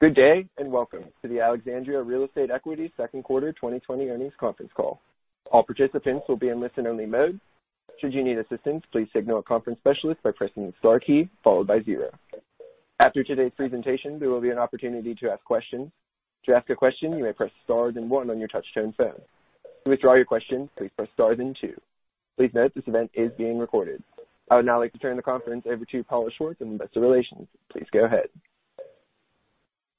Good day, and welcome to the Alexandria Real Estate Equities second quarter 2020 earnings conference call. All participants will be in listen-only mode. Should you need assistance, please signal a conference specialist by pressing the star key followed by zero. After today's presentation, there will be an opportunity to ask questions. To ask a question, you may press star then one on your touchtone phone. To withdraw your question, please press star then two. Please note this event is being recorded. I would now like to turn the conference over to Paula Schwartz in investor relations. Please go ahead.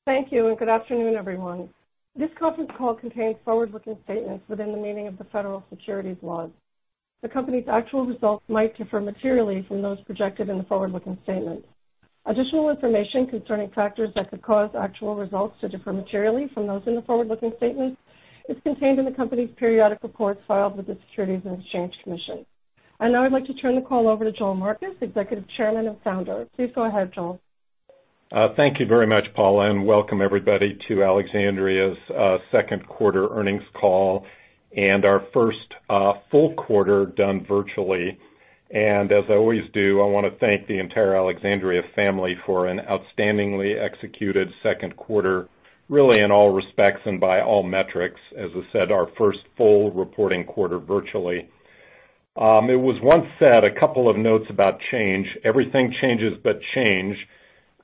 Thank you, and good afternoon, everyone. This conference call contains forward-looking statements within the meaning of the federal securities laws. The company's actual results might differ materially from those projected in the forward-looking statements. Additional information concerning factors that could cause actual results to differ materially from those in the forward-looking statements is contained in the company's periodic reports filed with the Securities and Exchange Commission. Now I'd like to turn the call over to Joel Marcus, Executive Chairman and Founder. Please go ahead, Joel. Thank you very much, Paula, welcome everybody to Alexandria's second quarter earnings call and our first full quarter done virtually. As I always do, I want to thank the entire Alexandria family for an outstandingly executed second quarter, really in all respects and by all metrics. As I said, our first full reporting quarter virtually. It was once said, a couple of notes about change, everything changes but change.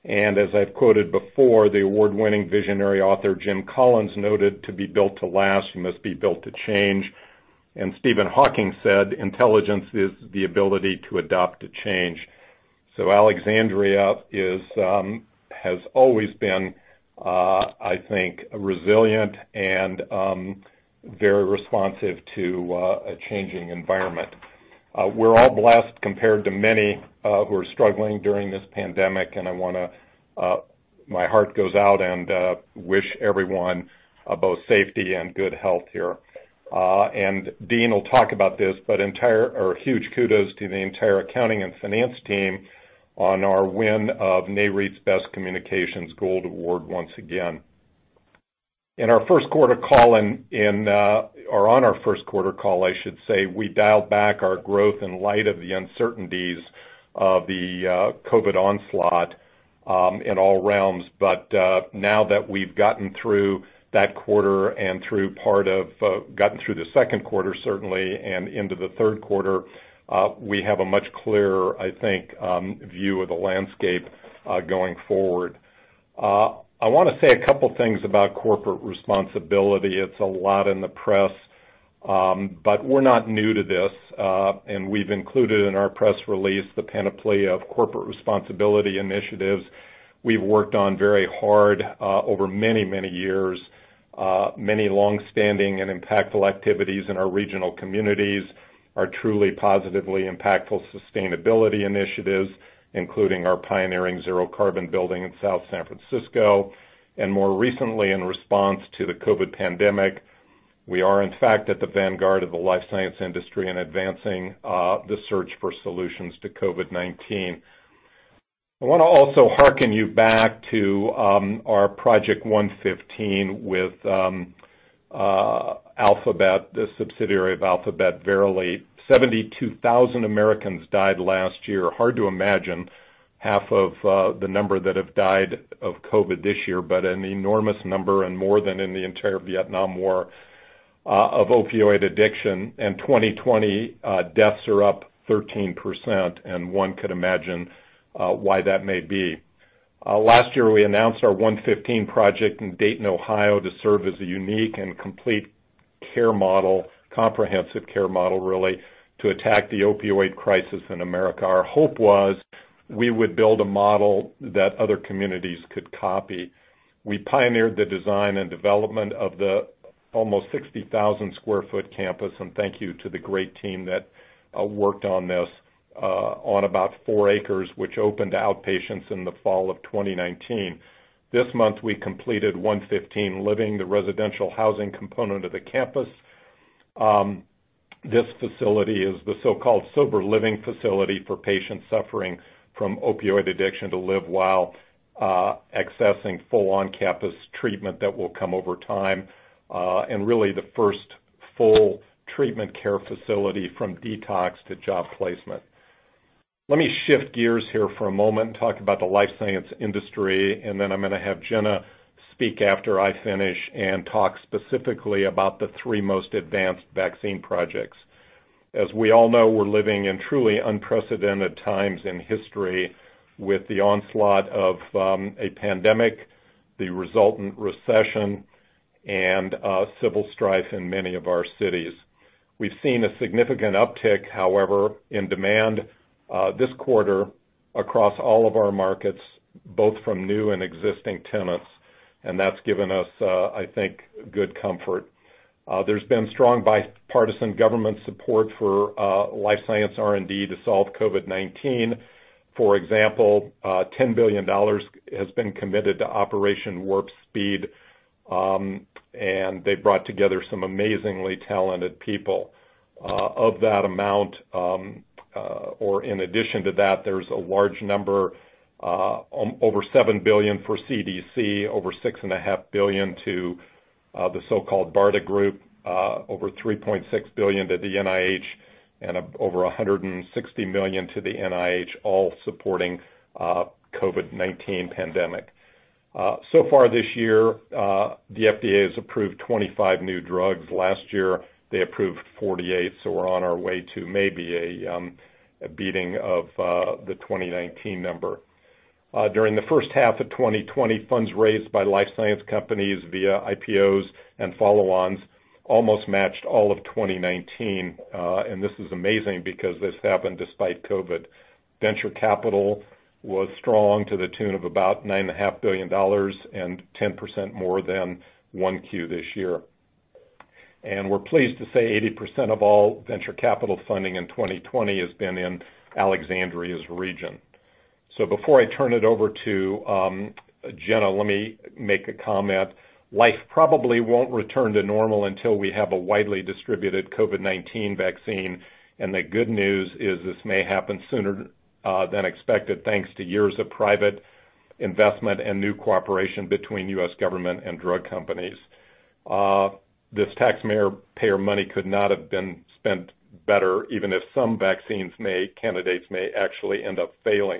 As I've quoted before, the award-winning visionary author Jim Collins noted, "To be built to last, you must be built to change." Stephen Hawking said, "Intelligence is the ability to adapt to change." Alexandria has always been, I think, resilient and very responsive to a changing environment. We're all blessed compared to many who are struggling during this pandemic, and my heart goes out and wish everyone both safety and good health here. Dean will talk about this, but huge kudos to the entire accounting and finance team on our win of Nareit's Best Communications Gold Award once again. In our first quarter call, or on our first quarter call, I should say, we dialed back our growth in light of the uncertainties of the COVID-19 onslaught, in all realms. Now that we've gotten through that quarter and gotten through the second quarter certainly, and into the third quarter, we have a much clearer, I think, view of the landscape, going forward. I want to say a couple things about corporate responsibility. It's a lot in the press. We're not new to this. We've included in our press release the panoply of corporate responsibility initiatives we've worked on very hard, over many, many years. Many longstanding and impactful activities in our regional communities, our truly positively impactful sustainability initiatives, including our pioneering zero carbon building in South San Francisco. More recently in response to the COVID pandemic, we are in fact at the vanguard of the life science industry in advancing the search for solutions to COVID-19. I want to also harken you back to our Project OneFifteen with Alphabet, the subsidiary of Alphabet, Verily. 72,000 Americans died last year. Hard to imagine half of the number that have died of COVID this year, but an enormous number and more than in the entire Vietnam War, of opioid addiction. 2020 deaths are up 13%, and one could imagine why that may be. Last year, we announced our OneFifteen project in Dayton, Ohio, to serve as a unique and complete care model, comprehensive care model, really, to attack the opioid crisis in America. Our hope was we would build a model that other communities could copy. We pioneered the design and development of the almost 60,000 sq ft campus, and thank you to the great team that worked on this, on about four acres, which opened to outpatients in the fall of 2019. This month, we completed OneFifteen Living, the residential housing component of the campus. This facility is the so-called sober living facility for patients suffering from opioid addiction to live while accessing full on-campus treatment that will come over time, and really the first full treatment care facility from detox to job placement. Let me shift gears here for a moment and talk about the life science industry, and then I'm going to have Jenna speak after I finish and talk specifically about the three most advanced vaccine projects. As we all know, we're living in truly unprecedented times in history with the onslaught of a pandemic, the resultant recession, and civil strife in many of our cities. We've seen a significant uptick, however, in demand this quarter across all of our markets, both from new and existing tenants, and that's given us, I think, good comfort. There's been strong bipartisan government support for life science R&D to solve COVID-19. For example, $10 billion has been committed to Operation Warp Speed. They brought together some amazingly talented people. Of that amount, or in addition to that, there is a large number, over $7 billion for CDC, over $6.5 billion to the so-called BARDA group, over $3.6 billion to the NIH, and over $160 million to the NIH, all supporting COVID-19 pandemic. So far this year, the FDA has approved 25 new drugs. Last year, they approved 48, so we are on our way to maybe a beating of the 2019 number. During the first half of 2020, funds raised by life science companies via IPOs and follow-ons almost matched all of 2019. This is amazing because this happened despite COVID. Venture capital was strong to the tune of about $9.5 billion and 10% more than 1Q this year. We are pleased to say 80% of all venture capital funding in 2020 has been in Alexandria's region. Before I turn it over to Jenna, let me make a comment. Life probably won't return to normal until we have a widely distributed COVID-19 vaccine. The good news is this may happen sooner than expected, thanks to years of private investment and new cooperation between U.S. government and drug companies. This taxpayer money could not have been spent better, even if some vaccine candidates may actually end up failing.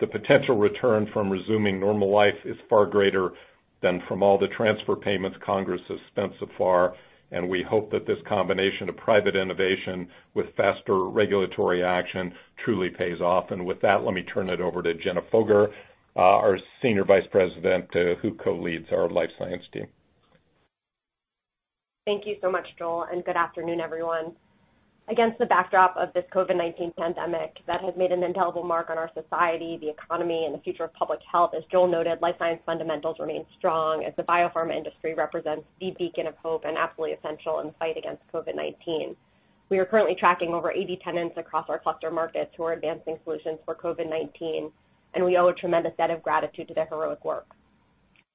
The potential return from resuming normal life is far greater than from all the transfer payments Congress has spent so far, and we hope that this combination of private innovation with faster regulatory action truly pays off. With that, let me turn it over to Jenna Foger, our Senior Vice President who co-leads our life science team. Thank you so much, Joel, and good afternoon, everyone. Against the backdrop of this COVID-19 pandemic that has made an indelible mark on our society, the economy, and the future of public health, as Joel noted, life science fundamentals remain strong as the biopharma industry represents the beacon of hope and absolutely essential in the fight against COVID-19. We are currently tracking over 80 tenants across our cluster markets who are advancing solutions for COVID-19, and we owe a tremendous debt of gratitude to their heroic work.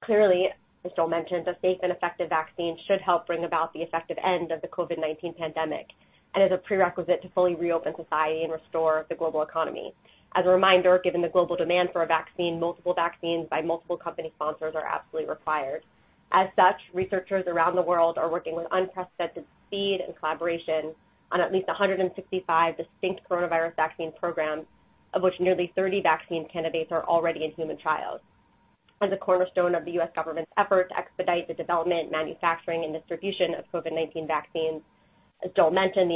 Clearly, as Joel mentioned, a safe and effective vaccine should help bring about the effective end of the COVID-19 pandemic and is a prerequisite to fully reopen society and restore the global economy. As a reminder, given the global demand for a vaccine, multiple vaccines by multiple company sponsors are absolutely required. As such, researchers around the world are working with unprecedented speed and collaboration on at least 165 distinct coronavirus vaccine programs, of which nearly 30 vaccine candidates are already in human trials. As a cornerstone of the U.S. government's effort to expedite the development, manufacturing, and distribution of COVID-19 vaccines, as Joel mentioned,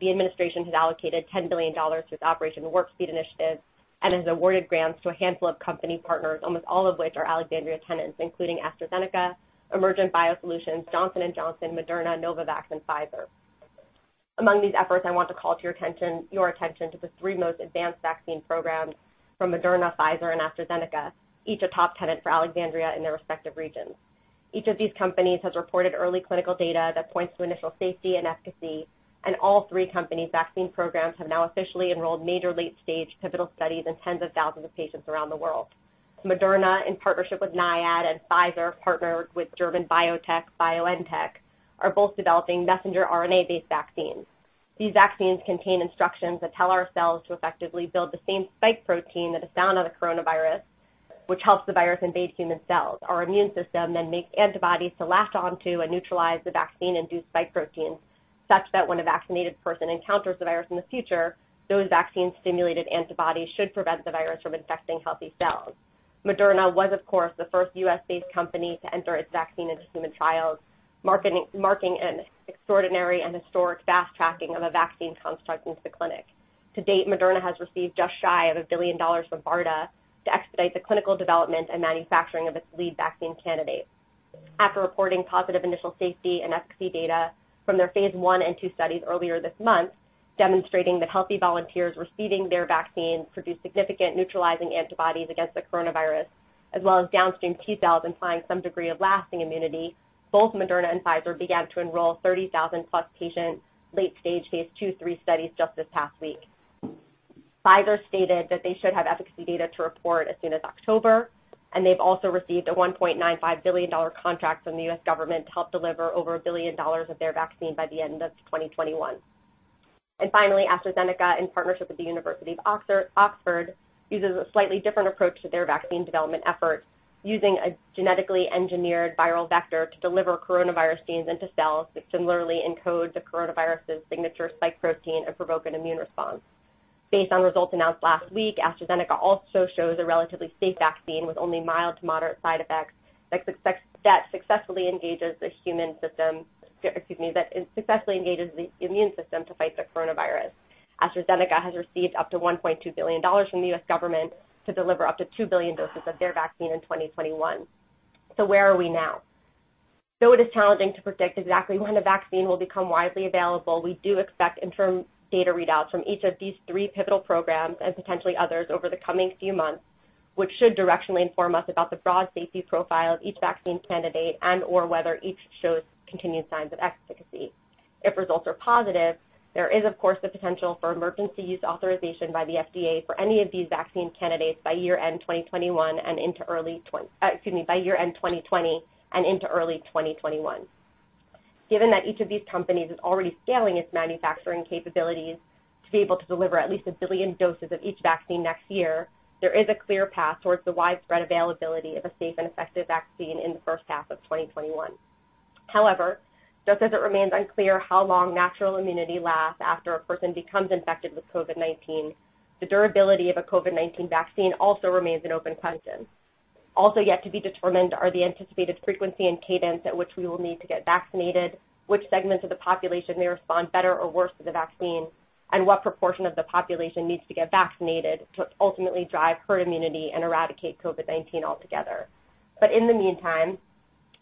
the administration has allocated $10 billion to its Operation Warp Speed initiatives and has awarded grants to a handful of company partners, almost all of which are Alexandria tenants, including AstraZeneca, Emergent BioSolutions, Johnson & Johnson, Moderna, Novavax, and Pfizer. Among these efforts, I want to call your attention to the three most advanced vaccine programs from Moderna, Pfizer, and AstraZeneca, each a top tenant for Alexandria in their respective regions. Each of these companies has reported early clinical data that points to initial safety and efficacy, and all three company vaccine programs have now officially enrolled major late-stage pivotal studies in tens of thousands of patients around the world. Moderna, in partnership with NIAID, and Pfizer, partnered with German biotech BioNTech, are both developing messenger RNA-based vaccines. These vaccines contain instructions that tell our cells to effectively build the same spike protein that is found on the coronavirus, which helps the virus invade human cells. Our immune system then makes antibodies to latch onto and neutralize the vaccine-induced spike proteins, such that when a vaccinated person encounters the virus in the future, those vaccine-stimulated antibodies should prevent the virus from infecting healthy cells. Moderna was, of course, the first U.S.-based company to enter its vaccine into human trials, marking an extraordinary and historic fast-tracking of a vaccine construct into the clinic. To date, Moderna has received just shy of $1 billion from BARDA to expedite the clinical development and manufacturing of its lead vaccine candidate. After reporting positive initial safety and efficacy data from their phase I and II studies earlier this month, demonstrating that healthy volunteers receiving their vaccines produced significant neutralizing antibodies against the coronavirus, as well as downstream T cells implying some degree of lasting immunity, both Moderna and Pfizer began to enroll 30,000-plus patients late stage phase II, III studies just this past week. Pfizer stated that they should have efficacy data to report as soon as October, and they've also received a $1.95 billion contract from the U.S. government to help deliver over $1 billion of their vaccine by the end of 2021. Finally, AstraZeneca, in partnership with the University of Oxford, uses a slightly different approach to their vaccine development effort, using a genetically engineered viral vector to deliver coronavirus genes into cells, which similarly encodes the coronavirus' signature spike protein and provoke an immune response. Based on results announced last week, AstraZeneca also shows a relatively safe vaccine with only mild to moderate side effects that successfully engages the immune system to fight the coronavirus. AstraZeneca has received up to $1.2 billion from the U.S. government to deliver up to 2 billion doses of their vaccine in 2021. Where are we now? Though it is challenging to predict exactly when a vaccine will become widely available, we do expect interim data readouts from each of these three pivotal programs and potentially others over the coming few months, which should directionally inform us about the broad safety profile of each vaccine candidate and/or whether each shows continued signs of efficacy. If results are positive, there is, of course, the potential for emergency use authorization by the FDA for any of these vaccine candidates by year-end 2020 and into early 2021. Given that each of these companies is already scaling its manufacturing capabilities to be able to deliver at least a billion doses of each vaccine next year, there is a clear path towards the widespread availability of a safe and effective vaccine in the first half of 2021. However, just as it remains unclear how long natural immunity lasts after a person becomes infected with COVID-19, the durability of a COVID-19 vaccine also remains an open question. Also yet to be determined are the anticipated frequency and cadence at which we will need to get vaccinated, which segments of the population may respond better or worse to the vaccine, and what proportion of the population needs to get vaccinated to ultimately drive herd immunity and eradicate COVID-19 altogether. In the meantime,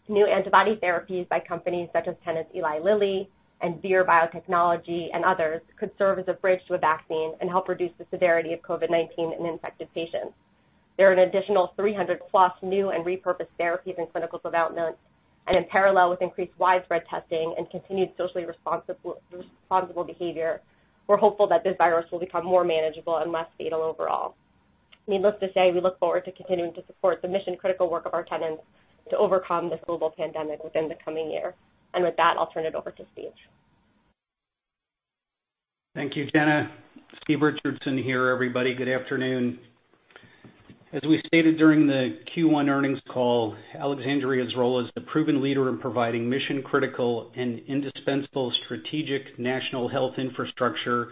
new antibody therapies by companies such as tenants Eli Lilly and Vir Biotechnology and others, could serve as a bridge to a vaccine and help reduce the severity of COVID-19 in infected patients. There are an additional 300+ new and repurposed therapies in clinical development, and in parallel with increased widespread testing and continued socially responsible behavior, we're hopeful that this virus will become more manageable and less fatal overall. Needless to say, we look forward to continuing to support the mission-critical work of our tenants to overcome this global pandemic within the coming year. With that, I'll turn it over to Steve. Thank you, Jenna. Steve Richardson here, everybody. Good afternoon. As we stated during the Q1 earnings call, Alexandria's role as the proven leader in providing mission-critical and indispensable strategic national health infrastructure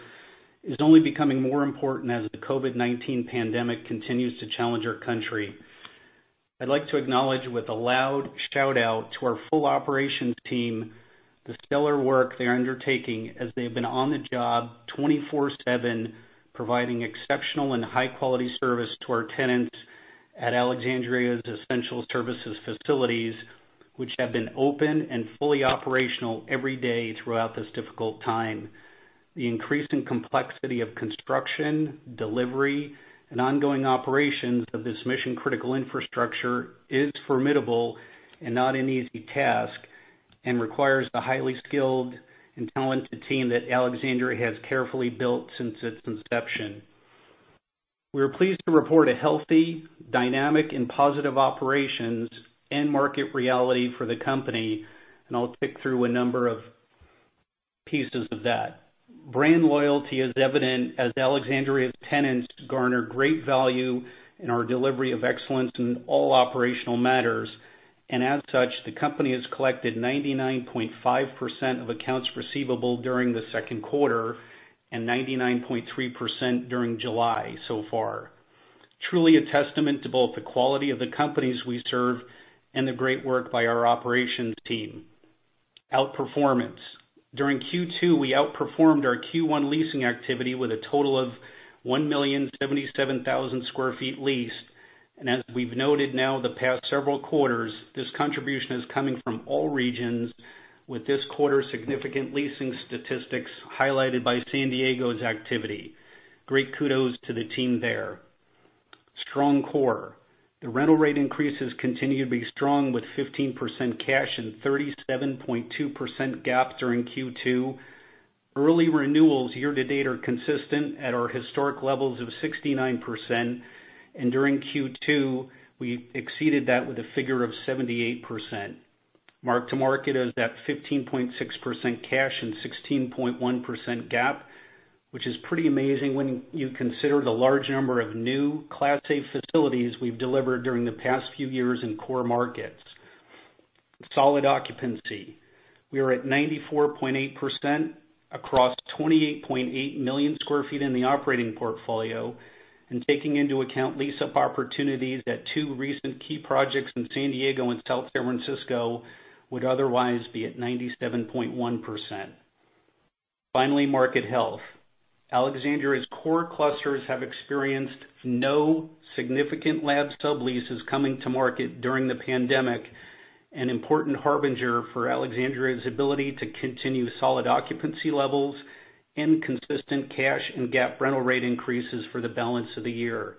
is only becoming more important as the COVID-19 pandemic continues to challenge our country. I'd like to acknowledge with a loud shout-out to our full operations team, the stellar work they're undertaking as they've been on the job 24/7, providing exceptional and high-quality service to our tenants at Alexandria's essential services facilities, which have been open and fully operational every day throughout this difficult time. The increasing complexity of construction, delivery, and ongoing operations of this mission-critical infrastructure is formidable and not an easy task, and requires the highly skilled and talented team that Alexandria has carefully built since its inception. We are pleased to report a healthy, dynamic, and positive operations end market reality for the company, and I'll tick through a number of pieces of that. Brand loyalty is evident as Alexandria's tenants garner great value in our delivery of excellence in all operational matters. As such, the company has collected 99.5% of accounts receivable during the second quarter and 99.3% during July so far. Truly a testament to both the quality of the companies we serve and the great work by our operations team. Outperformance. During Q2, we outperformed our Q1 leasing activity with a total of 1,077,000 sq ft leased. As we've noted now the past several quarters, this contribution is coming from all regions, with this quarter's significant leasing statistics highlighted by San Diego's activity. Great kudos to the team there. Strong core. The rental rate increases continue to be strong with 15% cash and 37.2% GAAP during Q2. Early renewals year to date are consistent at our historic levels of 69%, and during Q2, we exceeded that with a figure of 78%. Mark to market is at 15.6% cash and 16.1% GAAP, which is pretty amazing when you consider the large number of new Class A facilities we've delivered during the past few years in core markets. Solid occupancy. We are at 94.8% across 28.8 million square feet in the operating portfolio, and taking into account lease-up opportunities at two recent key projects in San Diego and South San Francisco would otherwise be at 97.1%. Finally, market health. Alexandria's core clusters have experienced no significant lab subleases coming to market during the pandemic, an important harbinger for Alexandria's ability to continue solid occupancy levels and consistent cash and GAAP rental rate increases for the balance of the year.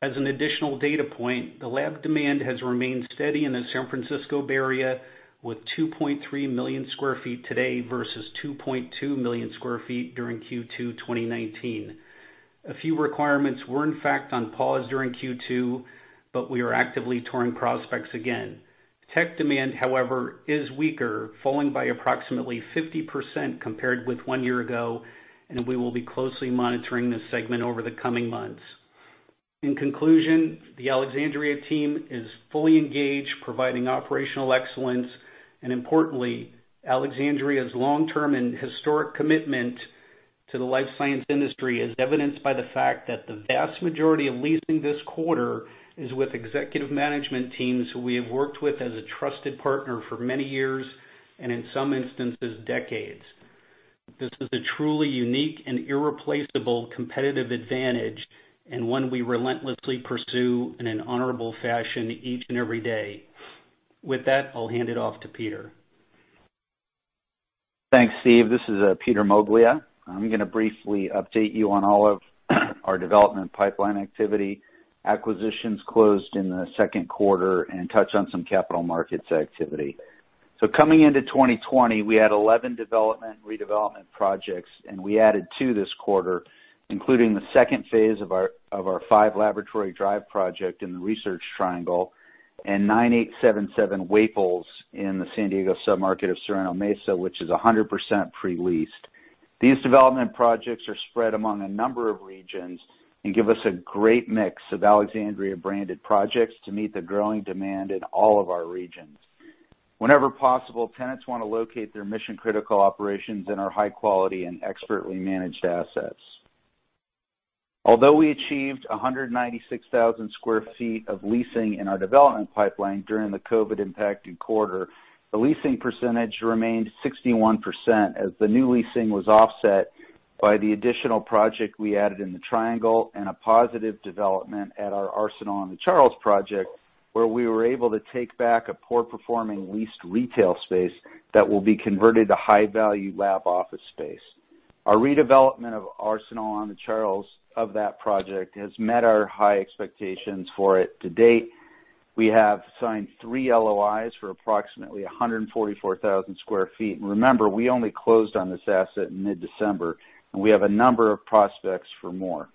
As an additional data point, the lab demand has remained steady in the San Francisco Bay Area, with 2.3 million square feet today versus 2.2 million square feet during Q2 2019. A few requirements were in fact on pause during Q2, but we are actively touring prospects again. Tech demand, however, is weaker, falling by approximately 50% compared with one year ago, and we will be closely monitoring this segment over the coming months. In conclusion, the Alexandria team is fully engaged, providing operational excellence. Importantly, Alexandria's long-term and historic commitment to the life science industry is evidenced by the fact that the vast majority of leasing this quarter is with executive management teams who we have worked with as a trusted partner for many years, and in some instances, decades. This is a truly unique and irreplaceable competitive advantage, and one we relentlessly pursue in an honorable fashion each and every day. With that, I'll hand it off to Peter. Thanks, Steve. This is Peter Moglia. I am going to briefly update you on all of our development pipeline activity, acquisitions closed in the second quarter, and touch on some capital markets activity. Coming into 2020, we had 11 development, redevelopment projects, and we added two this quarter, including the second phase of our 5 Laboratory Drive project in the Research Triangle and 9877 Waples in the San Diego submarket of Sorrento Mesa, which is 100% pre-leased. These development projects are spread among a number of regions and give us a great mix of Alexandria branded projects to meet the growing demand in all of our regions. Whenever possible, tenants want to locate their mission-critical operations in our high quality and expertly managed assets. Although we achieved 196,000 sq ft of leasing in our development pipeline during the COVID-impacted quarter, the leasing percentage remained 61% as the new leasing was offset by the additional project we added in the Triangle and a positive development at our Arsenal on the Charles project, where we were able to take back a poor performing leased retail space that will be converted to high value lab office space. Our redevelopment of Arsenal on the Charles, of that project, has met our high expectations for it to date. We have signed three LOIs for approximately 144,000 sq ft. Remember, we only closed on this asset in mid-December, and we have a number of prospects for more.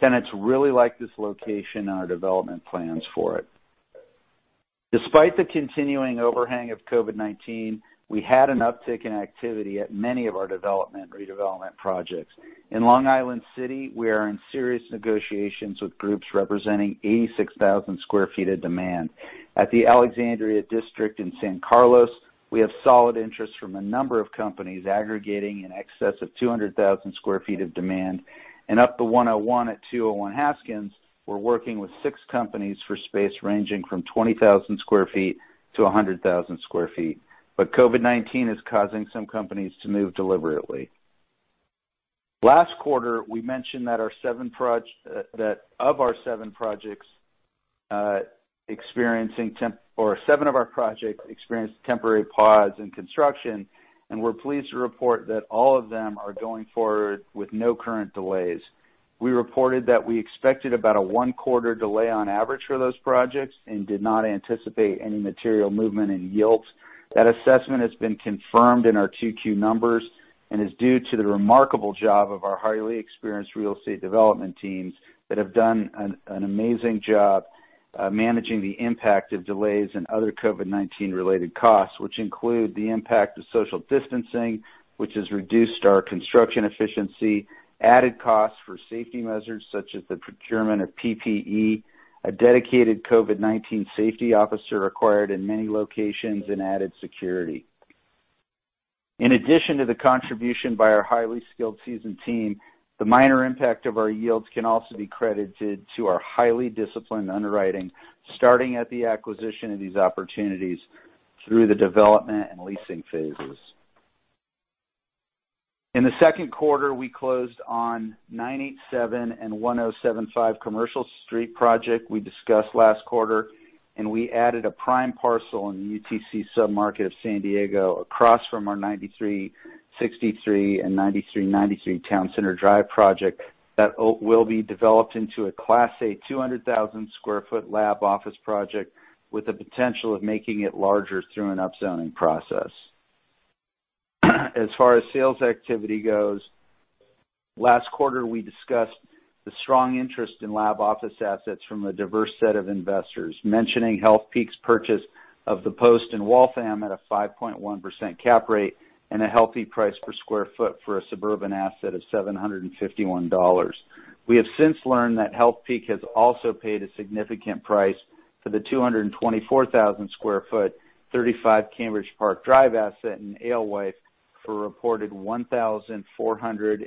Tenants really like this location and our development plans for it. Despite the continuing overhang of COVID-19, we had an uptick in activity at many of our development / redevelopment projects. In Long Island City, we are in serious negotiations with groups representing 86,000 sq ft of demand. At The Alexandria District in San Carlos, we have solid interest from a number of companies aggregating in excess of 200,000 sq ft of demand. Up the 101 at 201 Haskins, we're working with six companies for space ranging from 20,000 sq ft to 100,000 sq ft. COVID-19 is causing some companies to move deliberately. Last quarter, we mentioned that seven of our projects experienced temporary pause in construction, we're pleased to report that all of them are going forward with no current delays. We reported that we expected about a one-quarter delay on average for those projects did not anticipate any material movement in yields. That assessment has been confirmed in our 2Q numbers and is due to the remarkable job of our highly experienced real estate development teams that have done an amazing job managing the impact of delays and other COVID-19 related costs, which include the impact of social distancing, which has reduced our construction efficiency, added costs for safety measures such as the procurement of PPE, a dedicated COVID-19 safety officer required in many locations, and added security. In addition to the contribution by our highly skilled, seasoned team, the minor impact of our yields can also be credited to our highly disciplined underwriting, starting at the acquisition of these opportunities through the development and leasing phases. In the second quarter, we closed on 987 and 1075 Commercial Street project we discussed last quarter. We added a prime parcel in the UTC submarket of San Diego across from our 9363 and 9393 Towne Centre Drive project that will be developed into a class A 200,000 sq ft lab office project with the potential of making it larger through an upzoning process. As far as sales activity goes, last quarter, we discussed the strong interest in lab office assets from a diverse set of investors, mentioning Healthpeak's purchase of The Post in Waltham at a 5.1% cap rate and a healthy price per sq ft for a suburban asset of $751. We have since learned that Healthpeak has also paid a significant price for the 224,000 sq ft, 35 CambridgePark Drive asset in Alewife for a reported $1,484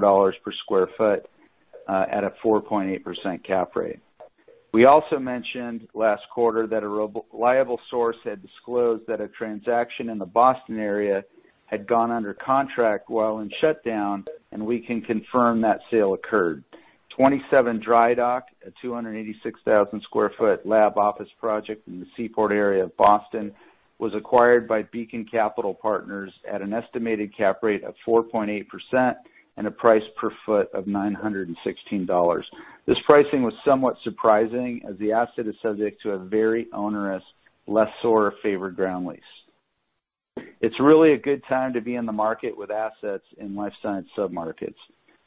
per sq ft at a 4.8% cap rate. We also mentioned last quarter that a reliable source had disclosed that a transaction in the Boston area had gone under contract while in shutdown. We can confirm that sale occurred. 27 Drydock, a 286,000 sq ft lab office project in the Seaport area of Boston, was acquired by Beacon Capital Partners at an estimated cap rate of 4.8% and a price per foot of $916. This pricing was somewhat surprising as the asset is subject to a very onerous lessor favored ground lease. It's really a good time to be in the market with assets in life science sub-markets.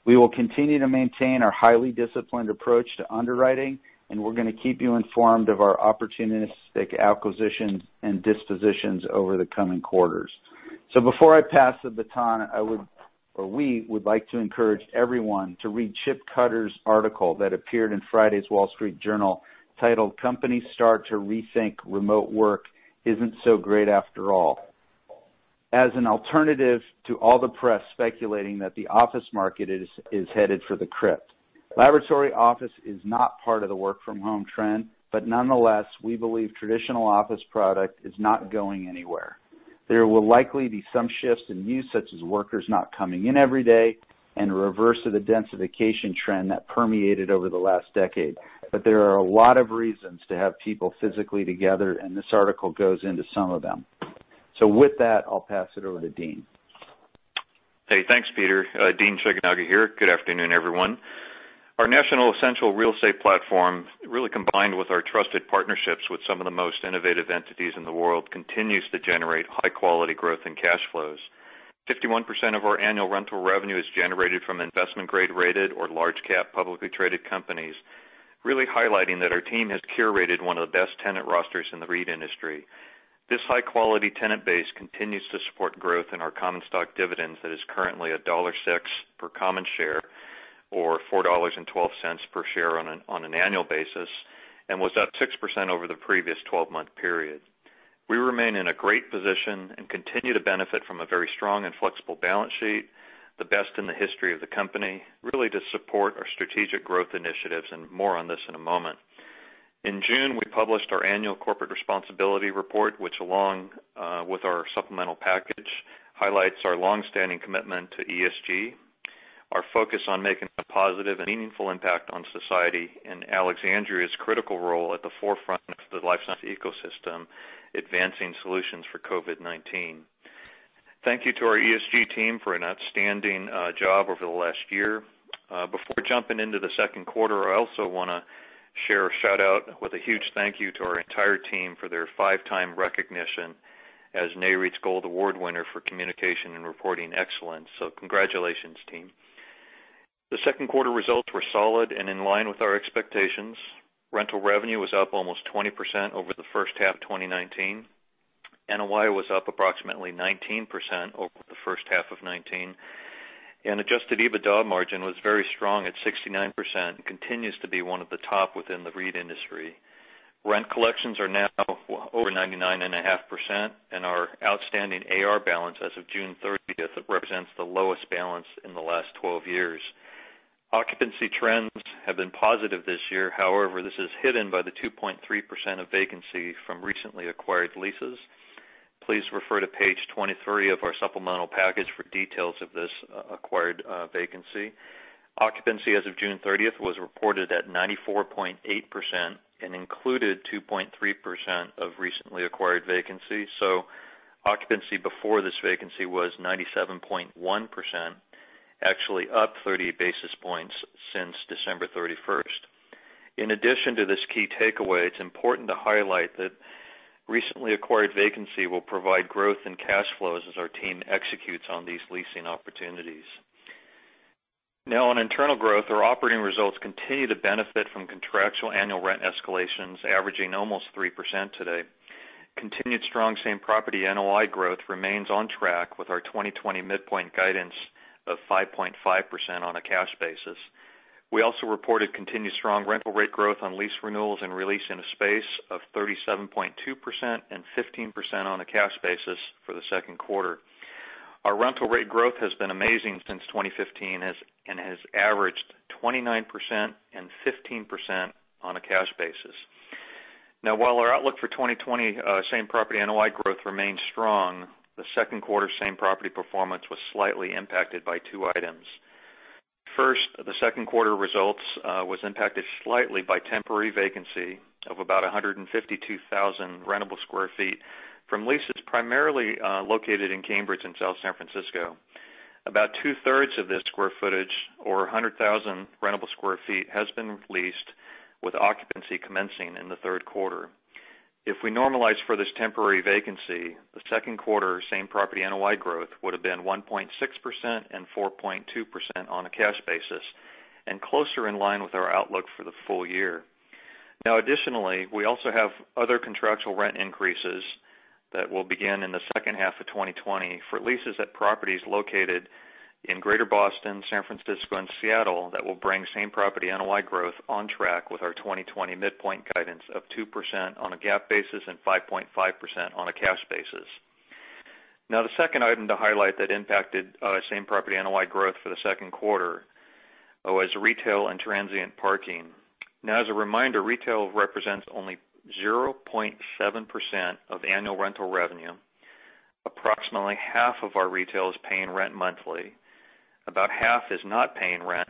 We will continue to maintain our highly disciplined approach to underwriting. We're going to keep you informed of our opportunistic acquisitions and dispositions over the coming quarters. Before I pass the baton, I would, or we would like to encourage everyone to read Chip Cutter's article that appeared in Friday's Wall Street Journal titled "Companies Start to Rethink Remote Work Isn't So Great After All." As an alternative to all the press speculating that the office market is headed for the crypt. Laboratory office is not part of the work from home trend, but nonetheless, we believe traditional office product is not going anywhere. There will likely be some shifts in use, such as workers not coming in every day and a reverse of the densification trend that permeated over the last decade. There are a lot of reasons to have people physically together, and this article goes into some of them. With that, I'll pass it over to Dean. Hey, thanks, Peter. Dean Shigenaga here. Good afternoon, everyone. Our national essential real estate platform, really combined with our trusted partnerships with some of the most innovative entities in the world, continues to generate high-quality growth and cash flows. 51% of our annual rental revenue is generated from investment-grade rated or large-cap publicly traded companies. Really highlighting that our team has curated one of the best tenant rosters in the REIT industry. This high-quality tenant base continues to support growth in our common stock dividends that is currently at $1.06 per common share, or $4.12 per share on an annual basis, and was up 6% over the previous 12-month period. We remain in a great position and continue to benefit from a very strong and flexible balance sheet, the best in the history of the company, really to support our strategic growth initiatives, and more on this in a moment. In June, we published our annual corporate responsibility report, which along with our supplemental package, highlights our longstanding commitment to ESG, our focus on making a positive and meaningful impact on society, and Alexandria's critical role at the forefront of the life science ecosystem, advancing solutions for COVID-19. Thank you to our ESG team for an outstanding job over the last year. Before jumping into the second quarter, I also want to share a shout-out with a huge thank you to our entire team for their five-time recognition as Nareit's Gold Award winner for communication and reporting excellence. Congratulations, team. The second quarter results were solid and in line with our expectations. Rental revenue was up almost 20% over the first half of 2019. NOI was up approximately 19% over the first half of 2019, and adjusted EBITDA margin was very strong at 69%, continues to be one of the top within the REIT industry. Rent collections are now over 99.5%, and our outstanding AR balance as of June 30th represents the lowest balance in the last 12 years. Occupancy trends have been positive this year. However, this is hidden by the 2.3% of vacancy from recently acquired leases. Please refer to page 23 of our supplemental package for details of this acquired vacancy. Occupancy as of June 30th was reported at 94.8% and included 2.3% of recently acquired vacancy. Occupancy before this vacancy was 97.1%, actually up 30 basis points since December 31st. In addition to this key takeaway, it's important to highlight that recently acquired vacancy will provide growth in cash flows as our team executes on these leasing opportunities. On internal growth, our operating results continue to benefit from contractual annual rent escalations averaging almost 3% today. Continued strong same-property NOI growth remains on track with our 2020 midpoint guidance of 5.5% on a cash basis. We also reported continued strong rental rate growth on lease renewals and re-lease space of 37.2% and 15% on a cash basis for the second quarter. Our rental rate growth has been amazing since 2015, and has averaged 29% and 15% on a cash basis. While our outlook for 2020 same-property NOI growth remains strong, the second quarter same-property performance was slightly impacted by two items. The second quarter results was impacted slightly by temporary vacancy of about 152,000 rentable square feet from leases primarily located in Cambridge and South San Francisco. About two-thirds of this square footage, or 100,000 rentable square feet, has been leased with occupancy commencing in the third quarter. If we normalize for this temporary vacancy, the second quarter same-property NOI growth would've been 1.6% and 4.2% on a cash basis, and closer in line with our outlook for the full year. Additionally, we also have other contractual rent increases that will begin in the second half of 2020 for leases at properties located in Greater Boston, San Francisco, and Seattle that will bring same-property NOI growth on track with our 2020 midpoint guidance of 2% on a GAAP basis and 5.5% on a cash basis. The second item to highlight that impacted same-property NOI growth for the second quarter was retail and transient parking. As a reminder, retail represents only 0.7% of annual rental revenue. Approximately half of our retail is paying rent monthly. About half is not paying rent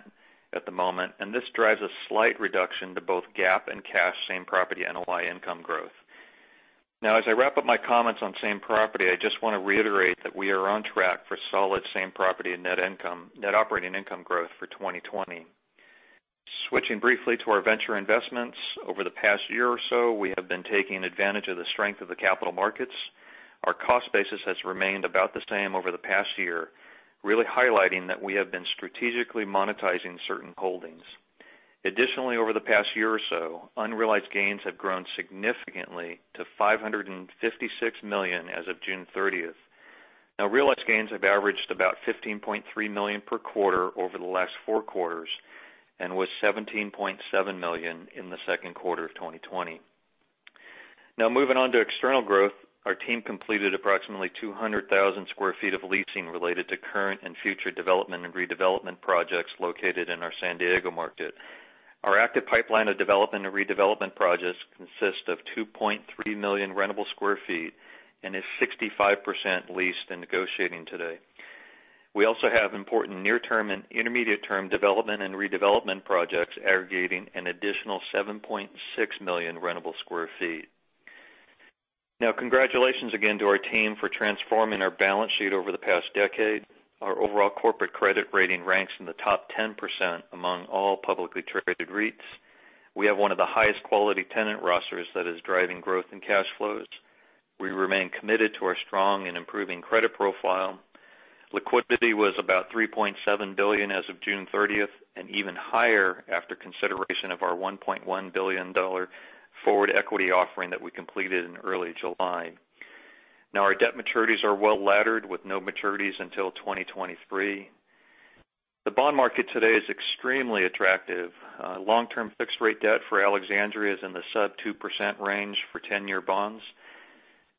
at the moment, and this drives a slight reduction to both GAAP and cash same-property NOI income growth. As I wrap up my comments on same property, I just want to reiterate that we are on track for solid same-property net operating income growth for 2020. Switching briefly to our venture investments. Over the past year or so, we have been taking advantage of the strength of the capital markets. Our cost basis has remained about the same over the past year, really highlighting that we have been strategically monetizing certain holdings. Over the past year or so, unrealized gains have grown significantly to $556 million as of June 30th. Realized gains have averaged about $15.3 million per quarter over the last four quarters and was $17.7 million in the second quarter of 2020. Moving on to external growth. Our team completed approximately 200,000 sq ft of leasing related to current and future development and redevelopment projects located in our San Diego market. Our active pipeline of development and redevelopment projects consists of 2.3 million rentable sq ft and is 65% leased and negotiating today. We also have important near-term and intermediate-term development and redevelopment projects aggregating an additional 7.6 million rentable sq ft. Congratulations again to our team for transforming our balance sheet over the past decade. Our overall corporate credit rating ranks in the top 10% among all publicly traded REITs. We have one of the highest quality tenant rosters that is driving growth and cash flows. We remain committed to our strong and improving credit profile. Liquidity was about $3.7 billion as of June 30th, and even higher after consideration of our $1.1 billion forward equity offering that we completed in early July. Our debt maturities are well-laddered with no maturities until 2023. The bond market today is extremely attractive. Long-term fixed rate debt for Alexandria is in the sub 2% range for 10-year bonds.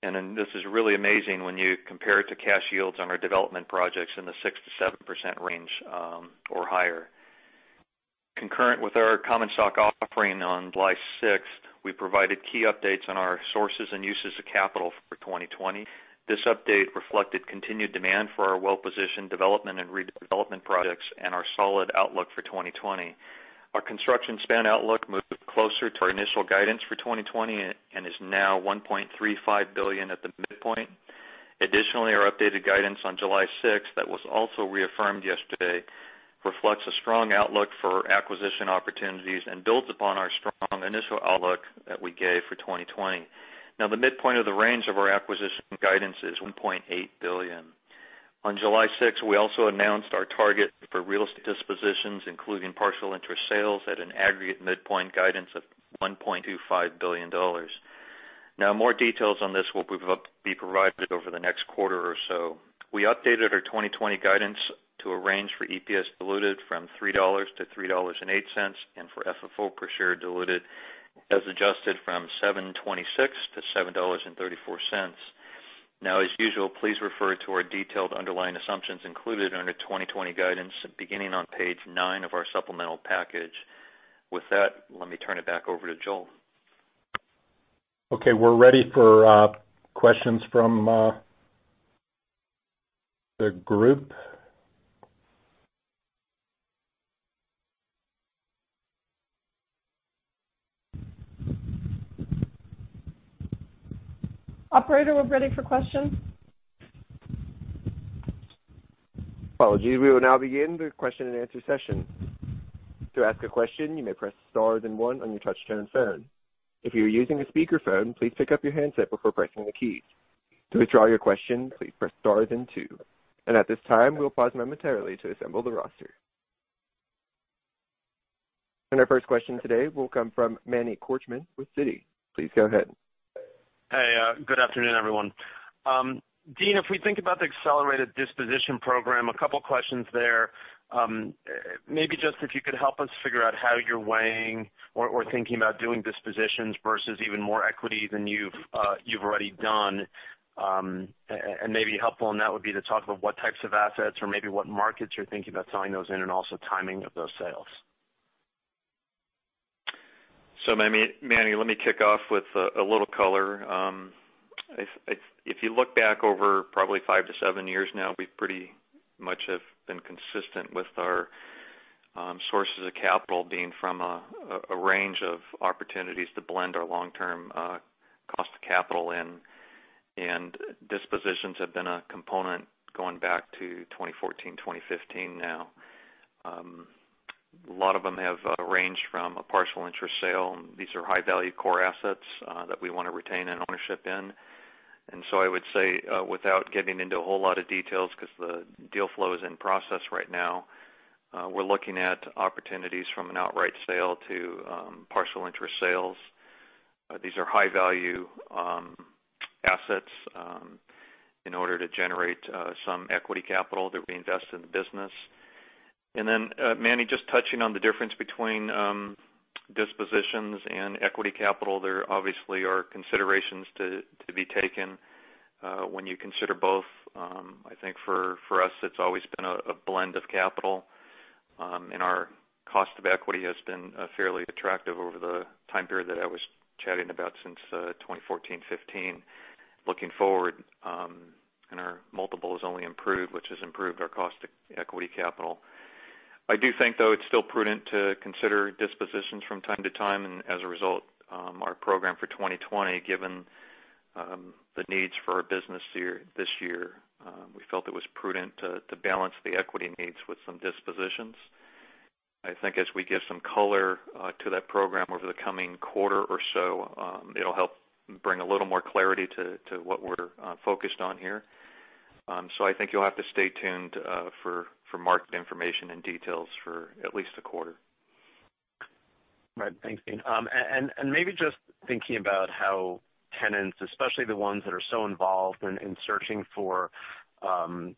This is really amazing when you compare it to cash yields on our development projects in the 6%-7% range or higher. Concurrent with our common stock offering on July 6th, we provided key updates on our sources and uses of capital for 2020. This update reflected continued demand for our well-positioned development and redevelopment projects and our solid outlook for 2020. Our construction spend outlook moved closer to our initial guidance for 2020 and is now $1.35 billion at the midpoint. Additionally, our updated guidance on July 6th, that was also reaffirmed yesterday, reflects a strong outlook for acquisition opportunities and builds upon our strong initial outlook that we gave for 2020. Now the midpoint of the range of our acquisition guidance is $1.8 billion. On July 6th, we also announced our target for real estate dispositions, including partial interest sales at an aggregate midpoint guidance of $1.25 billion. Now more details on this will be provided over the next quarter or so. We updated our 2020 guidance to a range for EPS diluted from $3-$3.08, and for FFO per share diluted as adjusted from $7.26-$7.34. As usual, please refer to our detailed underlying assumptions included under 2020 guidance beginning on page nine of our supplemental package. With that, let me turn it back over to Joel. Okay, we're ready for questions from the group. Operator, we're ready for questions. Apologies. We will now begin the question-and-answer session. To ask a question, you may press star then one on your touchtone phone. If you're using a speakerphone, please pick up your handset before pressing the key. To withdraw your question, please press star then two. At this time, we'll pause momentarily to assemble the roster. Our first question today will come from Manny Korchman with Citi. Please go ahead. Hey, good afternoon, everyone. Dean, if we think about the accelerated disposition program, a couple questions there. Maybe just if you could help us figure out how you're weighing or thinking about doing dispositions versus even more equity than you've already done. Maybe helpful in that would be to talk about what types of assets or maybe what markets you're thinking about selling those in, and also timing of those sales. Manny, let me kick off with a little color. If you look back over probably five to seven years now, we pretty much have been consistent with our sources of capital being from a range of opportunities to blend our long-term cost of capital in, and dispositions have been a component going back to 2014, 2015 now. A lot of them have ranged from a partial interest sale. These are high-value core assets that we want to retain an ownership in. I would say, without getting into a whole lot of details because the deal flow is in process right now, we're looking at opportunities from an outright sale to partial interest sales. These are high-value assets in order to generate some equity capital that we invest in the business. Then, Manny, just touching on the difference between dispositions and equity capital. There obviously are considerations to be taken when you consider both. I think for us, it's always been a blend of capital, and our cost of equity has been fairly attractive over the time period that I was chatting about since 2014, 2015. Looking forward, our multiple has only improved, which has improved our cost of equity capital. I do think, though, it's still prudent to consider dispositions from time to time. As a result, our program for 2020, given the needs for our business this year, we felt it was prudent to balance the equity needs with some dispositions. I think as we give some color to that program over the coming quarter or so, it'll help bring a little more clarity to what we're focused on here. I think you'll have to stay tuned for market information and details for at least a quarter. Right. Thanks, Dean. Maybe just thinking about how tenants, especially the ones that are so involved in searching for the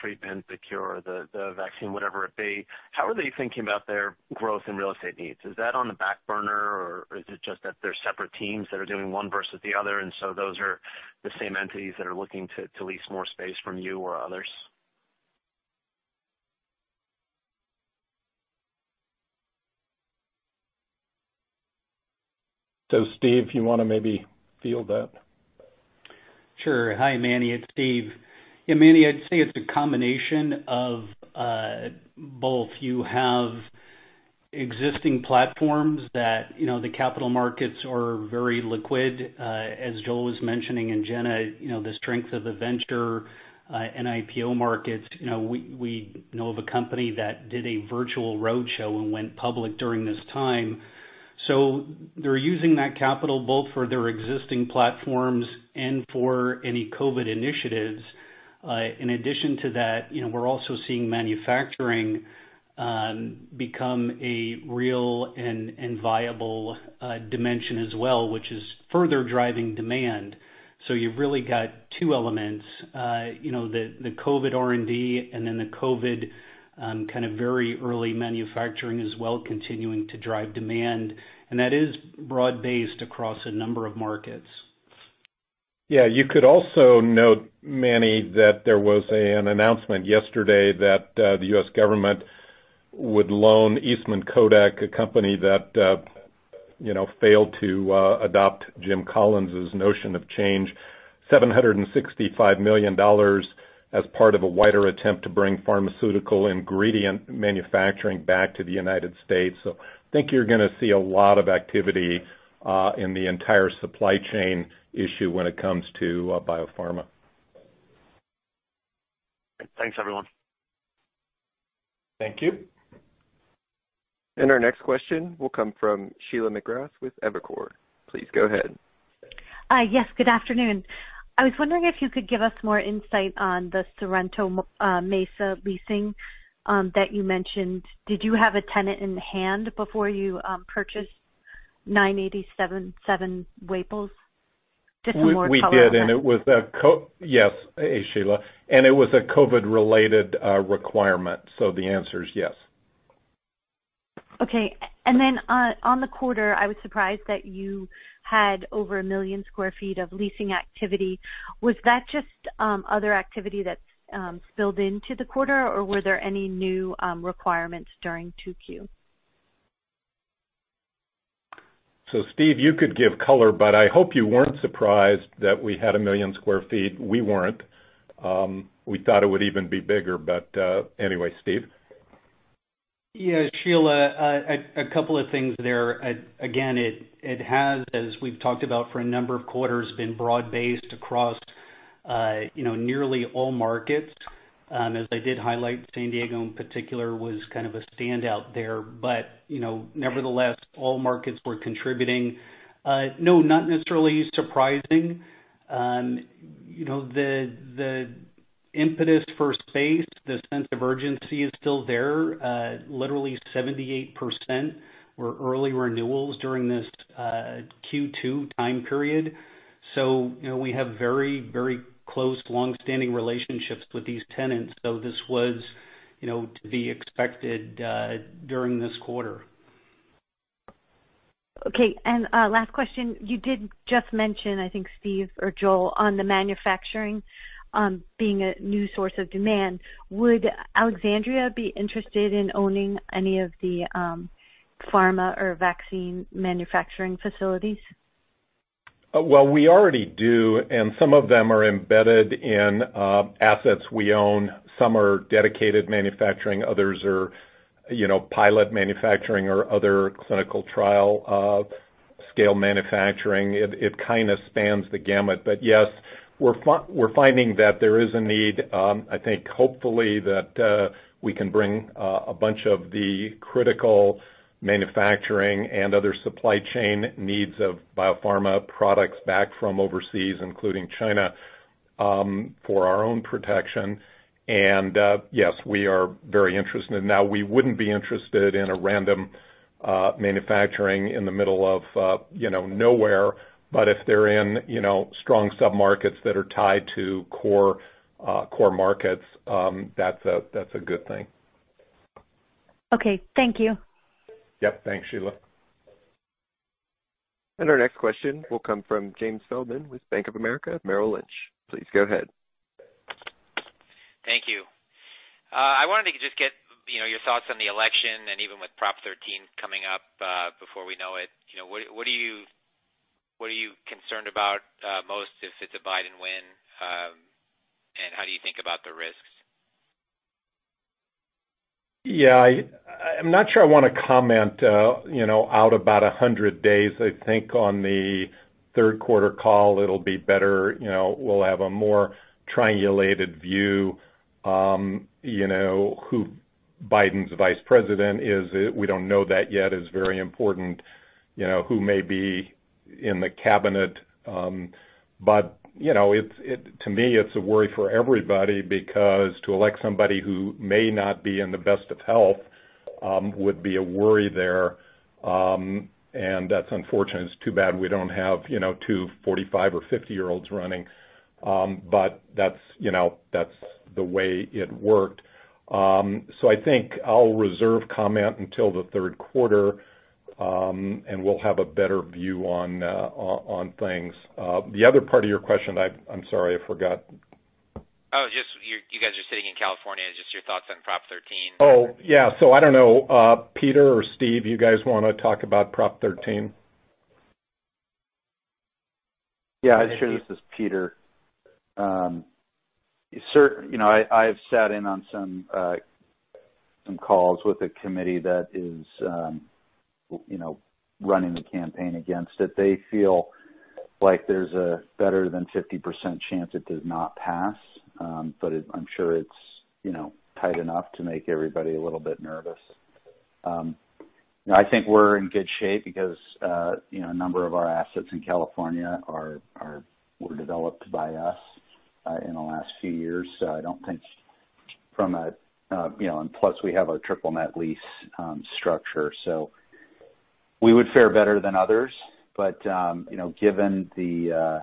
treatment, the cure, the vaccine, whatever it be, how are they thinking about their growth and real estate needs? Is that on the back burner, or is it just that they're separate teams that are doing one versus the other, and so those are the same entities that are looking to lease more space from you or others? Steve, you want to maybe field that? Sure. Hi, Manny, it's Steve. Yeah, Manny, I'd say it's a combination of both. You have existing platforms that the capital markets are very liquid. As Joel was mentioning, and Jenna, the strength of the venture and IPO markets. We know of a company that did a virtual roadshow and went public during this time. They're using that capital both for their existing platforms and for any COVID initiatives. In addition to that, we're also seeing manufacturing become a real and viable dimension as well, which is further driving demand. You've really got two elements. The COVID R&D, and then the COVID kind of very early manufacturing as well, continuing to drive demand. That is broad-based across a number of markets. You could also note, Manny, that there was an announcement yesterday that the U.S. government would loan Eastman Kodak, a company that failed to adopt Jim Collins' notion of change, $765 million as part of a wider attempt to bring pharmaceutical ingredient manufacturing back to the United States. I think you're going to see a lot of activity in the entire supply chain issue when it comes to biopharma. Thanks, everyone. Thank you. Our next question will come from Sheila McGrath with Evercore. Please go ahead. Yes, good afternoon. I was wondering if you could give us more insight on the Sorrento Mesa leasing that you mentioned. Did you have a tenant in hand before you purchased 9877 Waples? Just some more color on that. We did. Yes, Sheila. It was a COVID-related requirement. The answer is yes. Okay. On the quarter, I was surprised that you had over a million square feet of leasing activity. Was that just other activity that spilled into the quarter, or were there any new requirements during 2Q? Steve, you could give color, but I hope you weren't surprised that we had 1 million square feet. We weren't. We thought it would even be bigger, but anyway. Steve? Sheila, a couple of things there. It has, as we've talked about for a number of quarters, been broad-based across nearly all markets. As I did highlight, San Diego in particular was kind of a standout there. Nevertheless, all markets were contributing. No, not necessarily surprising. The impetus for space, the sense of urgency is still there. Literally 78% were early renewals during this Q2 time period. We have very close, long-standing relationships with these tenants. This was to be expected during this quarter. Okay. Last question. You did just mention, I think, Steve or Joel, on the manufacturing being a new source of demand. Would Alexandria be interested in owning any of the pharma or vaccine manufacturing facilities? Well, we already do. Some of them are embedded in assets we own. Some are dedicated manufacturing, others are pilot manufacturing or other clinical trial scale manufacturing. It kind of spans the gamut. Yes, we're finding that there is a need. I think hopefully that we can bring a bunch of the critical manufacturing and other supply chain needs of biopharma products back from overseas, including China, for our own protection. Yes, we are very interested. Now, we wouldn't be interested in a random manufacturing in the middle of nowhere. If they're in strong submarkets that are tied to core markets, that's a good thing. Okay. Thank you. Yep. Thanks, Sheila. Our next question will come from James Feldman with Bank of America Merrill Lynch. Please go ahead. Thank you. I wanted to just get your thoughts on the election and even with Prop 13 coming up before we know it. What are you concerned about most if it's a Biden win, and how do you think about the risks? Yeah. I'm not sure I want to comment out about 100 days. I think on the third quarter call, it'll be better. We'll have a more triangulated view. Who Biden's vice president is, we don't know that yet, is very important. Who may be in the cabinet. To me, it's a worry for everybody because to elect somebody who may not be in the best of health would be a worry there. That's unfortunate. It's too bad we don't have two 45 or 50 year olds running. That's the way it worked. I think I'll reserve comment until the third quarter, and we'll have a better view on things. The other part of your question, I'm sorry, I forgot. Oh, just you guys are sitting in California, just your thoughts on Prop 13? Oh, yeah. I don't know, Peter or Steve, you guys want to talk about Prop 13? Yeah. Sure. This is Peter. I have sat in on some calls with a committee that is running the campaign against it. They feel like there's a better than 50% chance it does not pass. I'm sure it's tight enough to make everybody a little bit nervous. I think we're in good shape because a number of our assets in California were developed by us in the last few years. Plus we have a triple net lease structure, so we would fare better than others. Given the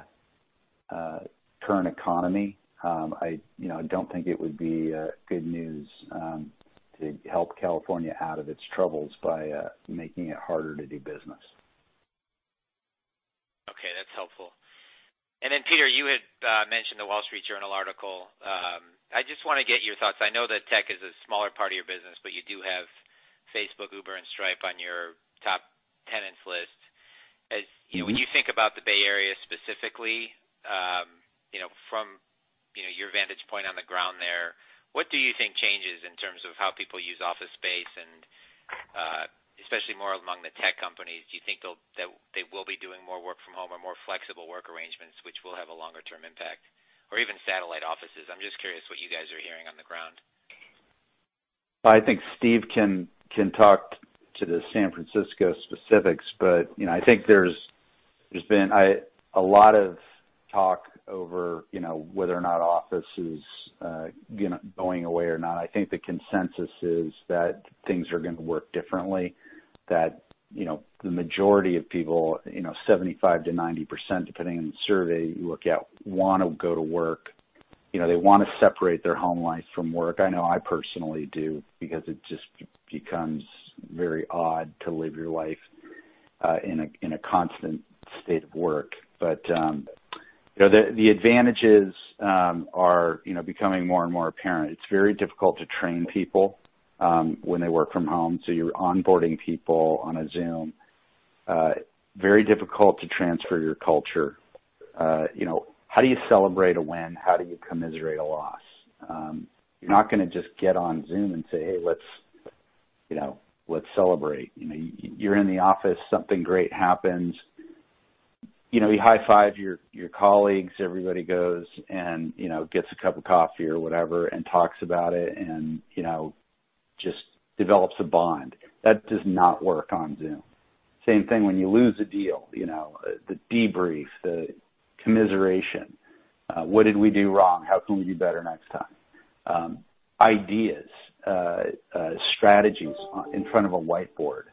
current economy, I don't think it would be good news to help California out of its troubles by making it harder to do business. Okay, that's helpful. Peter, you had mentioned the Wall Street Journal article. I just want to get your thoughts. I know that tech is a smaller part of your business, but you do have Facebook, Uber, and Stripe on your top tenants list. When you think about the Bay Area specifically, from your vantage point on the ground there, what do you think changes in terms of how people use office space and especially more among the tech companies? Do you think they will be doing more work from home or more flexible work arrangements which will have a longer-term impact? Or even satellite offices? I'm just curious what you guys are hearing on the ground. I think Steve can talk to the San Francisco specifics. I think there's been a lot of talk over whether or not office is going away or not. I think the consensus is that things are going to work differently, that the majority of people, 75%-90%, depending on the survey you look at, want to go to work. They want to separate their home life from work. I know I personally do because it just becomes very odd to live your life in a constant state of work. The advantages are becoming more and more apparent. It's very difficult to train people when they work from home. You're onboarding people on a Zoom. Very difficult to transfer your culture. How do you celebrate a win? How do you commiserate a loss? You're not going to just get on Zoom and say, "Hey, let's celebrate." You're in the office, something great happens, you high-five your colleagues, everybody goes and gets a cup of coffee or whatever, and talks about it and just develops a bond. That does not work on Zoom. Same thing when you lose a deal. The debrief, the commiseration. What did we do wrong? How can we do better next time? Ideas, strategies in front of a whiteboard.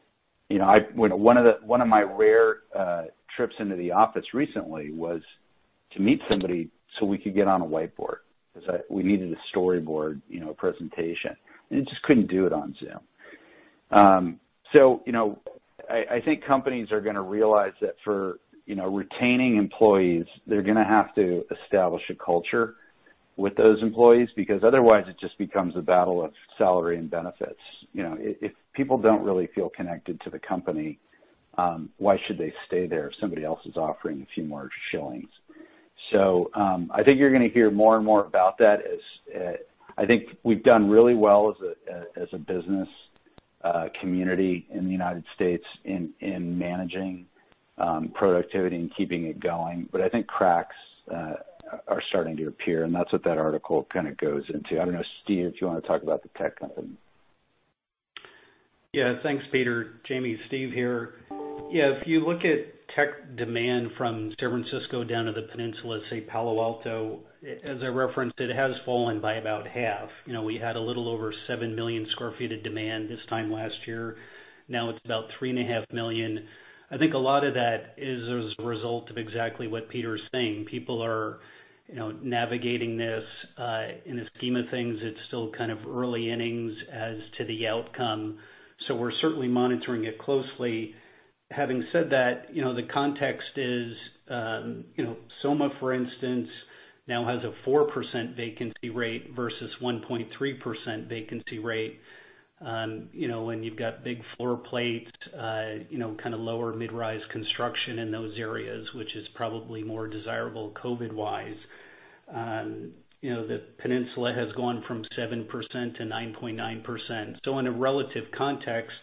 One of my rare trips into the office recently was to meet somebody so we could get on a whiteboard because we needed to storyboard a presentation, and you just couldn't do it on Zoom. I think companies are going to realize that for retaining employees, they're going to have to establish a culture with those employees, because otherwise it just becomes a battle of salary and benefits. If people don't really feel connected to the company, why should they stay there if somebody else is offering a few more shillings? I think you're going to hear more and more about that as I think we've done really well as a business community in the U.S. in managing productivity and keeping it going. I think cracks are starting to appear, and that's what that article kind of goes into. I don't know, Steve, if you want to talk about the tech companies. Thanks, Peter. James, Steve here. If you look at tech demand from San Francisco down to the peninsula, say Palo Alto, as I referenced, it has fallen by about half. We had a little over 7 million sq ft of demand this time last year. Now it's about 3.5 million. I think a lot of that is as a result of exactly what Peter is saying. People are navigating this. In the scheme of things, it's still kind of early innings as to the outcome. We're certainly monitoring it closely. Having said that, the context is, SoMa, for instance, now has a 4% vacancy rate versus 1.3% vacancy rate. When you've got big floor plates, kind of lower mid-rise construction in those areas, which is probably more desirable COVID-wise. The peninsula has gone from 7%-9.9%. In a relative context,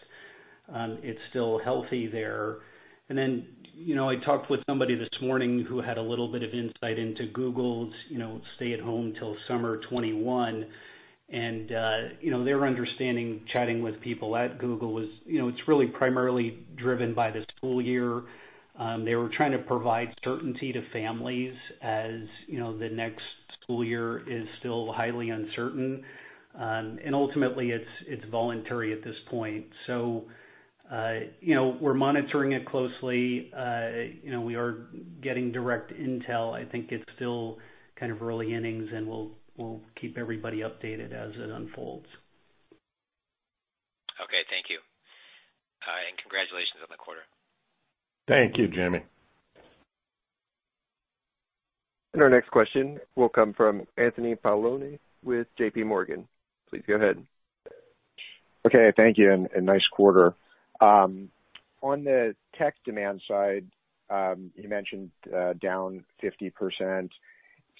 it's still healthy there. I talked with somebody this morning who had a little bit of insight into Google's stay at home till summer 2021, and their understanding, chatting with people at Google was it's really primarily driven by the school year. They were trying to provide certainty to families as the next school year is still highly uncertain. Ultimately it's voluntary at this point. We're monitoring it closely. We are getting direct intel. I think it's still kind of early innings, and we'll keep everybody updated as it unfolds. Okay. Thank you. Congratulations on the quarter. Thank you, James. Our next question will come from Anthony Paolone with JPMorgan. Please go ahead. Okay. Thank you, and nice quarter. On the tech demand side, you mentioned down 50%.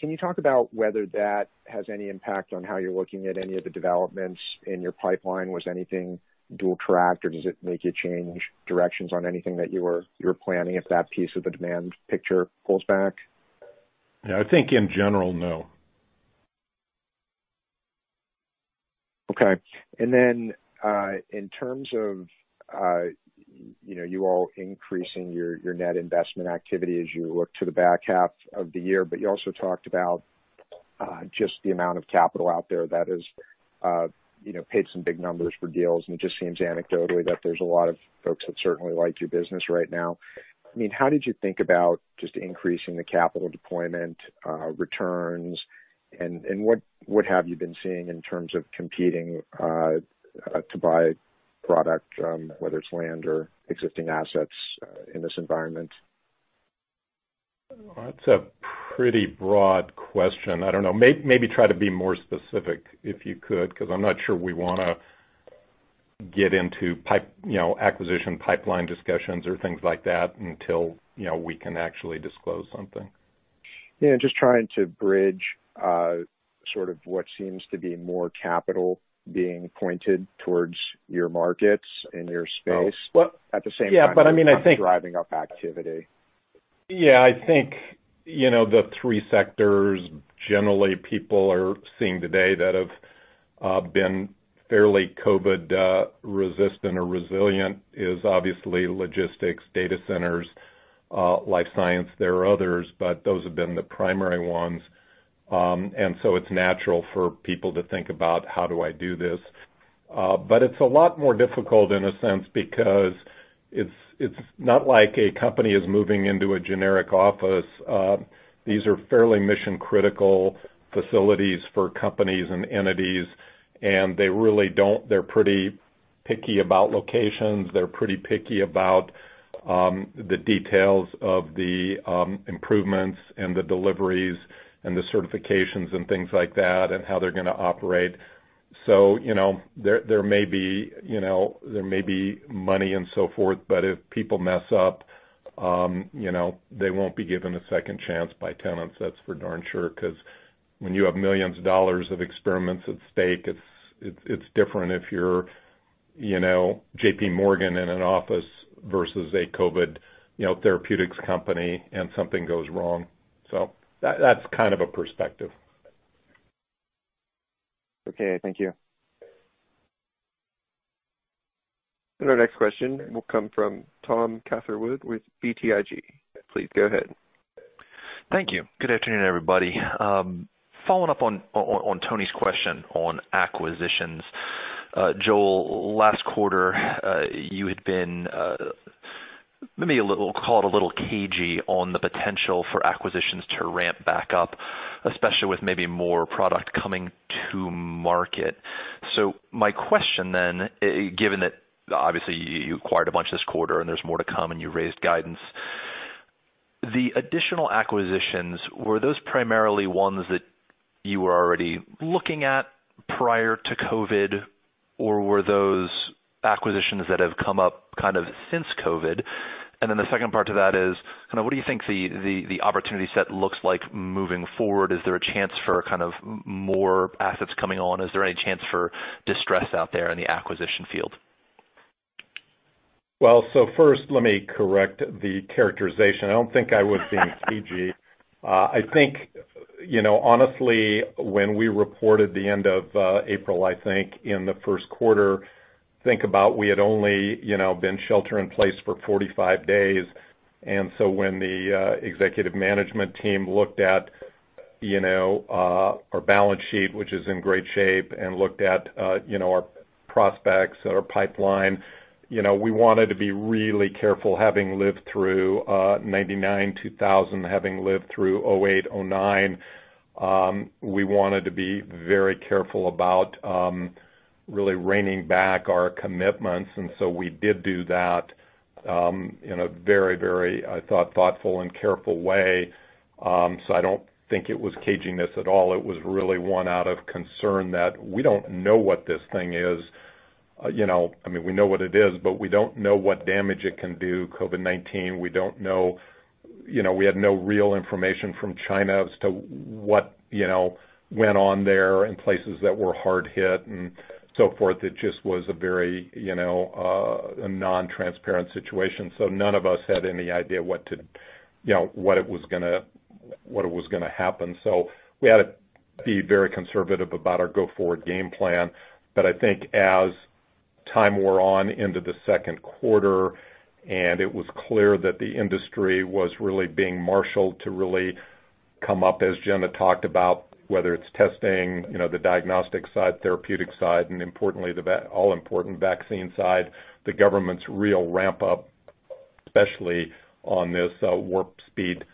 Can you talk about whether that has any impact on how you're looking at any of the developments in your pipeline? Was anything dual track, or does it make you change directions on anything that you were planning if that piece of the demand picture pulls back? Yeah, I think in general, no. Okay. In terms of you all increasing your net investment activity as you look to the back half of the year, but you also talked about just the amount of capital out there that has paid some big numbers for deals, and it just seems anecdotally that there's a lot of folks that certainly like your business right now. How did you think about just increasing the capital deployment, returns, and what have you been seeing in terms of competing to buy product, whether it's land or existing assets in this environment? That's a pretty broad question. I don't know. Maybe try to be more specific if you could, because I'm not sure we want to get into acquisition pipeline discussions or things like that until we can actually disclose something. Yeah, just trying to bridge sort of what seems to be more capital being pointed towards your markets and your space. Well- At the same time. Yeah, I mean, I think. driving up activity. Yeah, I think, the three sectors generally people are seeing today that have been fairly COVID resistant or resilient is obviously logistics, data centers, life science. There are others, but those have been the primary ones. It's natural for people to think about, how do I do this? It's a lot more difficult in a sense because it's not like a company is moving into a generic office. These are fairly mission-critical facilities for companies and entities, and they're pretty picky about locations. They're pretty picky about the details of the improvements and the deliveries and the certifications and things like that, and how they're going to operate. There may be money and so forth, but if people mess up, they won't be given a second chance by tenants, that's for darn sure. When you have millions of dollars of experiments at stake, it's different if you're JPMorgan in an office versus a COVID therapeutics company and something goes wrong. That's kind of a perspective. Okay. Thank you. Our next question will come from Tom Catherwood with BTIG. Please go ahead. Thank you. Good afternoon, everybody. Following up on Tony's question on acquisitions. Joel, last quarter, you had been, maybe we'll call it a little cagey on the potential for acquisitions to ramp back up, especially with maybe more product coming to market. My question, given that obviously you acquired a bunch this quarter and there's more to come and you raised guidance. The additional acquisitions, were those primarily ones that you were already looking at prior to COVID, or were those acquisitions that have come up kind of since COVID? The second part to that is, what do you think the opportunity set looks like moving forward? Is there a chance for kind of more assets coming on? Is there any chance for distress out there in the acquisition field? Well, first let me correct the characterization. I don't think I was being cagey. I think, honestly, when we reported the end of April, I think, in the first quarter, think about we had only been shelter in place for 45 days. When the executive management team looked at our balance sheet, which is in great shape, and looked at our prospects, our pipeline, we wanted to be really careful having lived through 1999, 2000, having lived through 2008, 2009. We wanted to be very careful about, really reining back our commitments, we did do that in a very thoughtful and careful way. I don't think it was caginess at all. It was really one out of concern that we don't know what this thing is. We know what it is, we don't know what damage it can do, COVID-19. We had no real information from China as to what went on there in places that were hard hit and so forth. It just was a very non-transparent situation. None of us had any idea what it was going to happen. We had to be very conservative about our go-forward game plan. I think as time wore on into the second quarter, and it was clear that the industry was really being marshaled to really come up, as Jenna talked about, whether it's testing, the diagnostic side, therapeutic side, and importantly, the all important vaccine side, the government's real ramp up, especially on this Warp Speed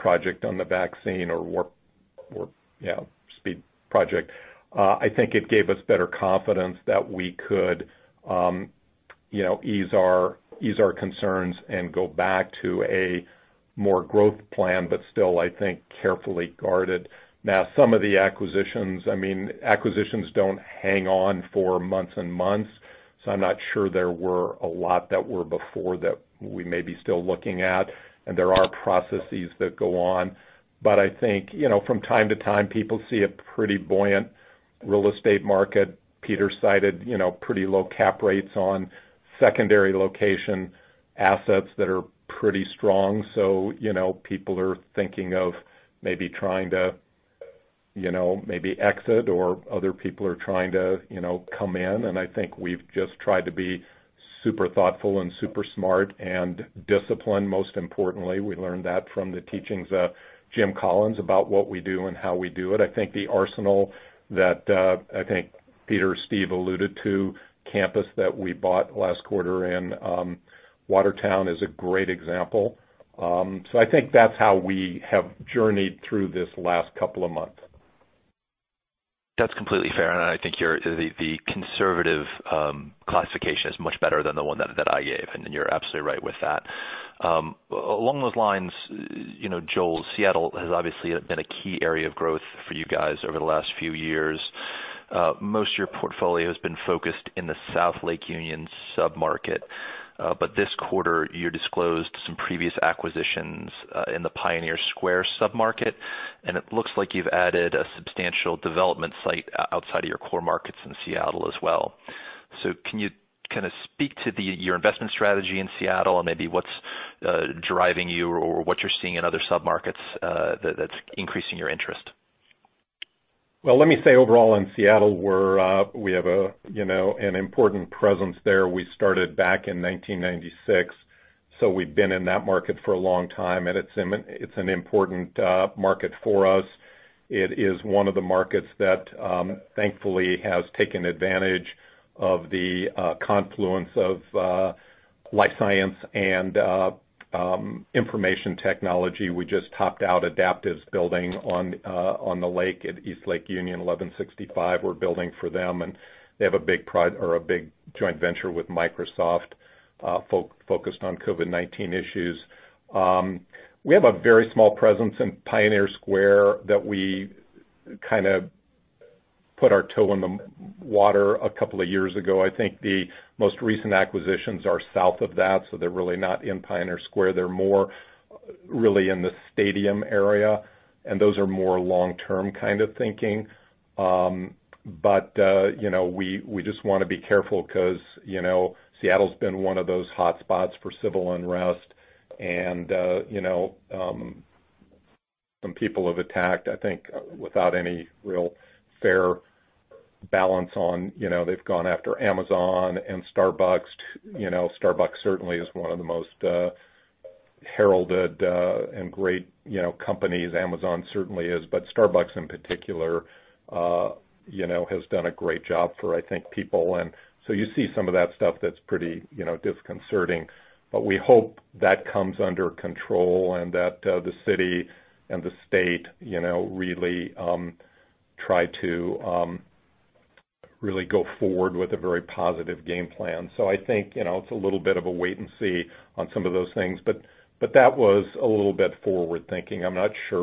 project on the vaccine or Warp Speed project. I think it gave us better confidence that we could ease our concerns and go back to a more growth plan, but still, I think, carefully guarded. Some of the acquisitions don't hang on for months and months. I'm not sure there were a lot that were before that we may be still looking at, and there are processes that go on. I think, from time to time, people see a pretty buoyant real estate market. Peter cited pretty low cap rates on secondary location assets that are pretty strong. People are thinking of maybe trying to exit, or other people are trying to come in. I think we've just tried to be super thoughtful and super smart and disciplined, most importantly. We learned that from the teachings of Jim Collins about what we do and how we do it. The Arsenal that, I think, Peter, Steve alluded to, campus that we bought last quarter in Watertown is a great example. I think that's how we have journeyed through this last couple of months. That's completely fair, the conservative classification is much better than the one that I gave, and you're absolutely right with that. Along those lines, Joel, Seattle has obviously been a key area of growth for you guys over the last few years. Most of your portfolio has been focused in the South Lake Union submarket. This quarter, you disclosed some previous acquisitions in the Pioneer Square submarket, and it looks like you've added a substantial development site outside of your core markets in Seattle as well. Can you kind of speak to your investment strategy in Seattle and maybe what's driving you or what you're seeing in other submarkets that's increasing your interest? Well, let me say overall in Seattle, we have an important presence there. We started back in 1996, so we've been in that market for a long time, and it's an important market for us. It is one of the markets that, thankfully, has taken advantage of the confluence of life science and information technology. We just topped out Adaptive's building on the lake at East Lake Union, 1165. We're building for them, and they have a big joint venture with Microsoft focused on COVID-19 issues. We have a very small presence in Pioneer Square that we kind of put our toe in the water a couple of years ago. I think the most recent acquisitions are south of that, so they're really not in Pioneer Square. They're more really in the stadium area, and those are more long-term kind of thinking. We just want to be careful because Seattle's been one of those hot spots for civil unrest, and some people have attacked, I think, without any real fair balance. They've gone after Amazon and Starbucks. Starbucks certainly is one of the most heralded and great companies. Amazon certainly is. Starbucks in particular has done a great job for, I think, people. You see some of that stuff that's pretty disconcerting. We hope that comes under control and that the city and the state really try to really go forward with a very positive game plan. I think it's a little bit of a wait and see on some of those things. That was a little bit forward-thinking. I'm not sure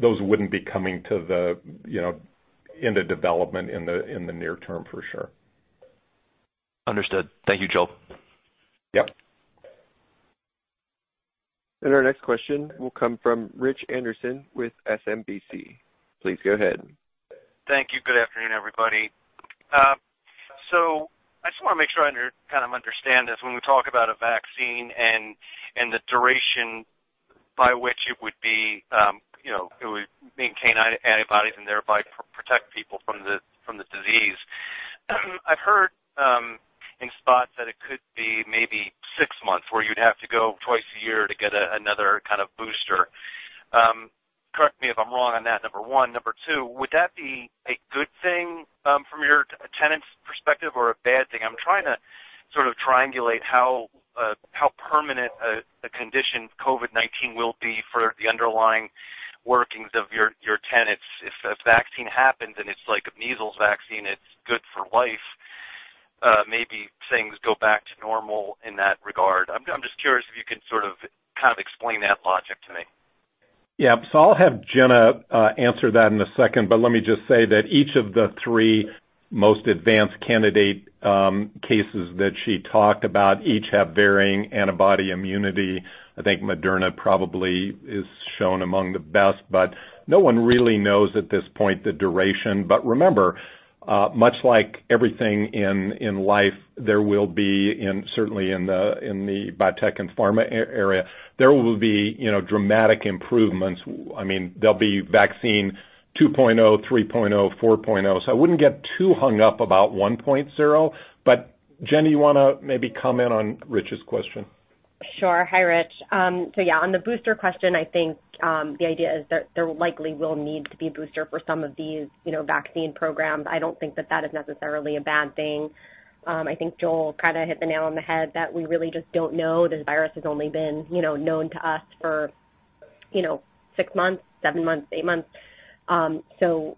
those wouldn't be coming into development in the near term for sure. Understood. Thank you, Joel. Yep. Our next question will come from Rich Anderson with SMBC. Please go ahead. Thank you. Good afternoon, everybody. I just want to make sure I kind of understand this. When we talk about a vaccine and the duration by which it would maintain antibodies and thereby protect people from the disease. I've heard in spots that it could be maybe six months where you'd have to go twice a year to get another kind of booster. Correct me if I'm wrong on that, number one. Number two, would that be a good thing from your tenant's perspective or a bad thing? I'm trying to sort of triangulate how permanent a condition COVID-19 will be for the underlying workings of your tenants. If a vaccine happens and it's like a measles vaccine, it's good for life, maybe things go back to normal in that regard. I'm just curious if you can sort of, kind of explain that logic to me. Yeah. I'll have Jenna answer that in a second, but let me just say that each of the three most advanced candidate cases that she talked about each have varying antibody immunity. I think Moderna probably is shown among the best, no one really knows at this point the duration. Remember, much like everything in life, there will be, and certainly in the biotech and pharma area, there will be dramatic improvements. There'll be vaccine two point oh, three point oh, four point oh. I wouldn't get too hung up about one point zero. Jenna, you want to maybe comment on Rich's question? Sure. Hi, Rich. Yeah, on the booster question, I think, the idea is there likely will need to be a booster for some of these vaccine programs. I don't think that that is necessarily a bad thing. I think Joel kind of hit the nail on the head that we really just don't know. This virus has only been known to us for six months, seven months, eight months.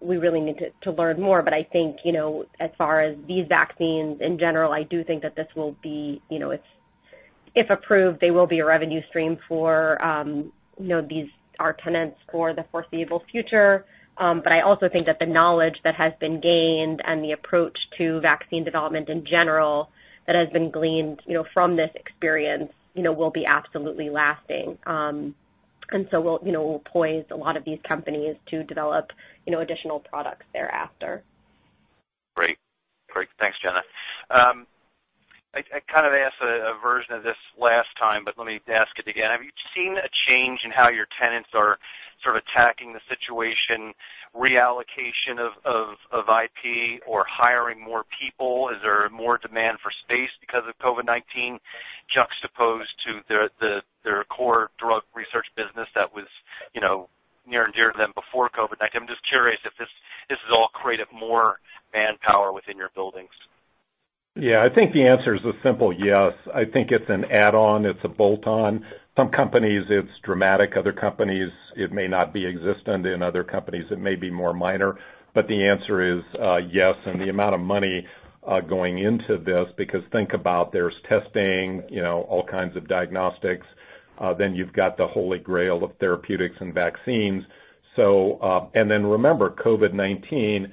We really need to learn more. I think, as far as these vaccines in general, I do think that this will be, if approved, they will be a revenue stream for our tenants for the foreseeable future. I also think that the knowledge that has been gained and the approach to vaccine development in general that has been gleaned from this experience will be absolutely lasting. Will poise a lot of these companies to develop additional products thereafter. Great. Thanks, Jenna. I kind of asked a version of this last time. Let me ask it again. Have you seen a change in how your tenants are sort of attacking the situation, reallocation of IP, or hiring more people? Is there more demand for space because of COVID-19 juxtaposed to their core drug research business that was near and dear to them before COVID-19? I'm just curious if this has all created more manpower within your buildings. Yeah. I think the answer is a simple yes. I think it's an add-on. It's a bolt-on. Some companies, it's dramatic. Other companies, it may not be existent. In other companies, it may be more minor. The answer is yes. The amount of money going into this, because think about there's testing, all kinds of diagnostics. You've got the holy grail of therapeutics and vaccines. Remember, COVID-19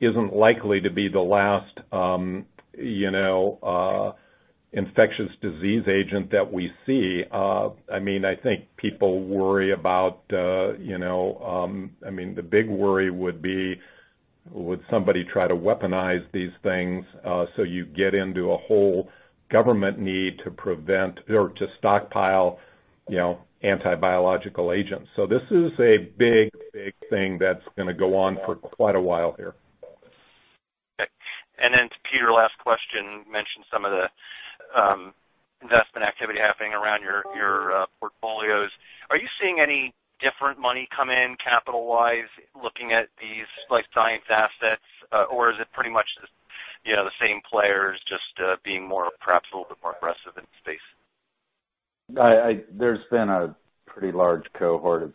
isn't likely to be the last infectious disease agent that we see. I think people worry about. The big worry would be, would somebody try to weaponize these things? You get into a whole government need to prevent or to stockpile anti-biological agents. This is a big thing that's going to go on for quite a while here. Okay. Then to Peter, last question. You mentioned some of the investment activity happening around your portfolios. Are you seeing any different money come in capital-wise, looking at these life science assets? Or is it pretty much the same players, just being perhaps a little bit more aggressive in the space? There's been a pretty large cohort of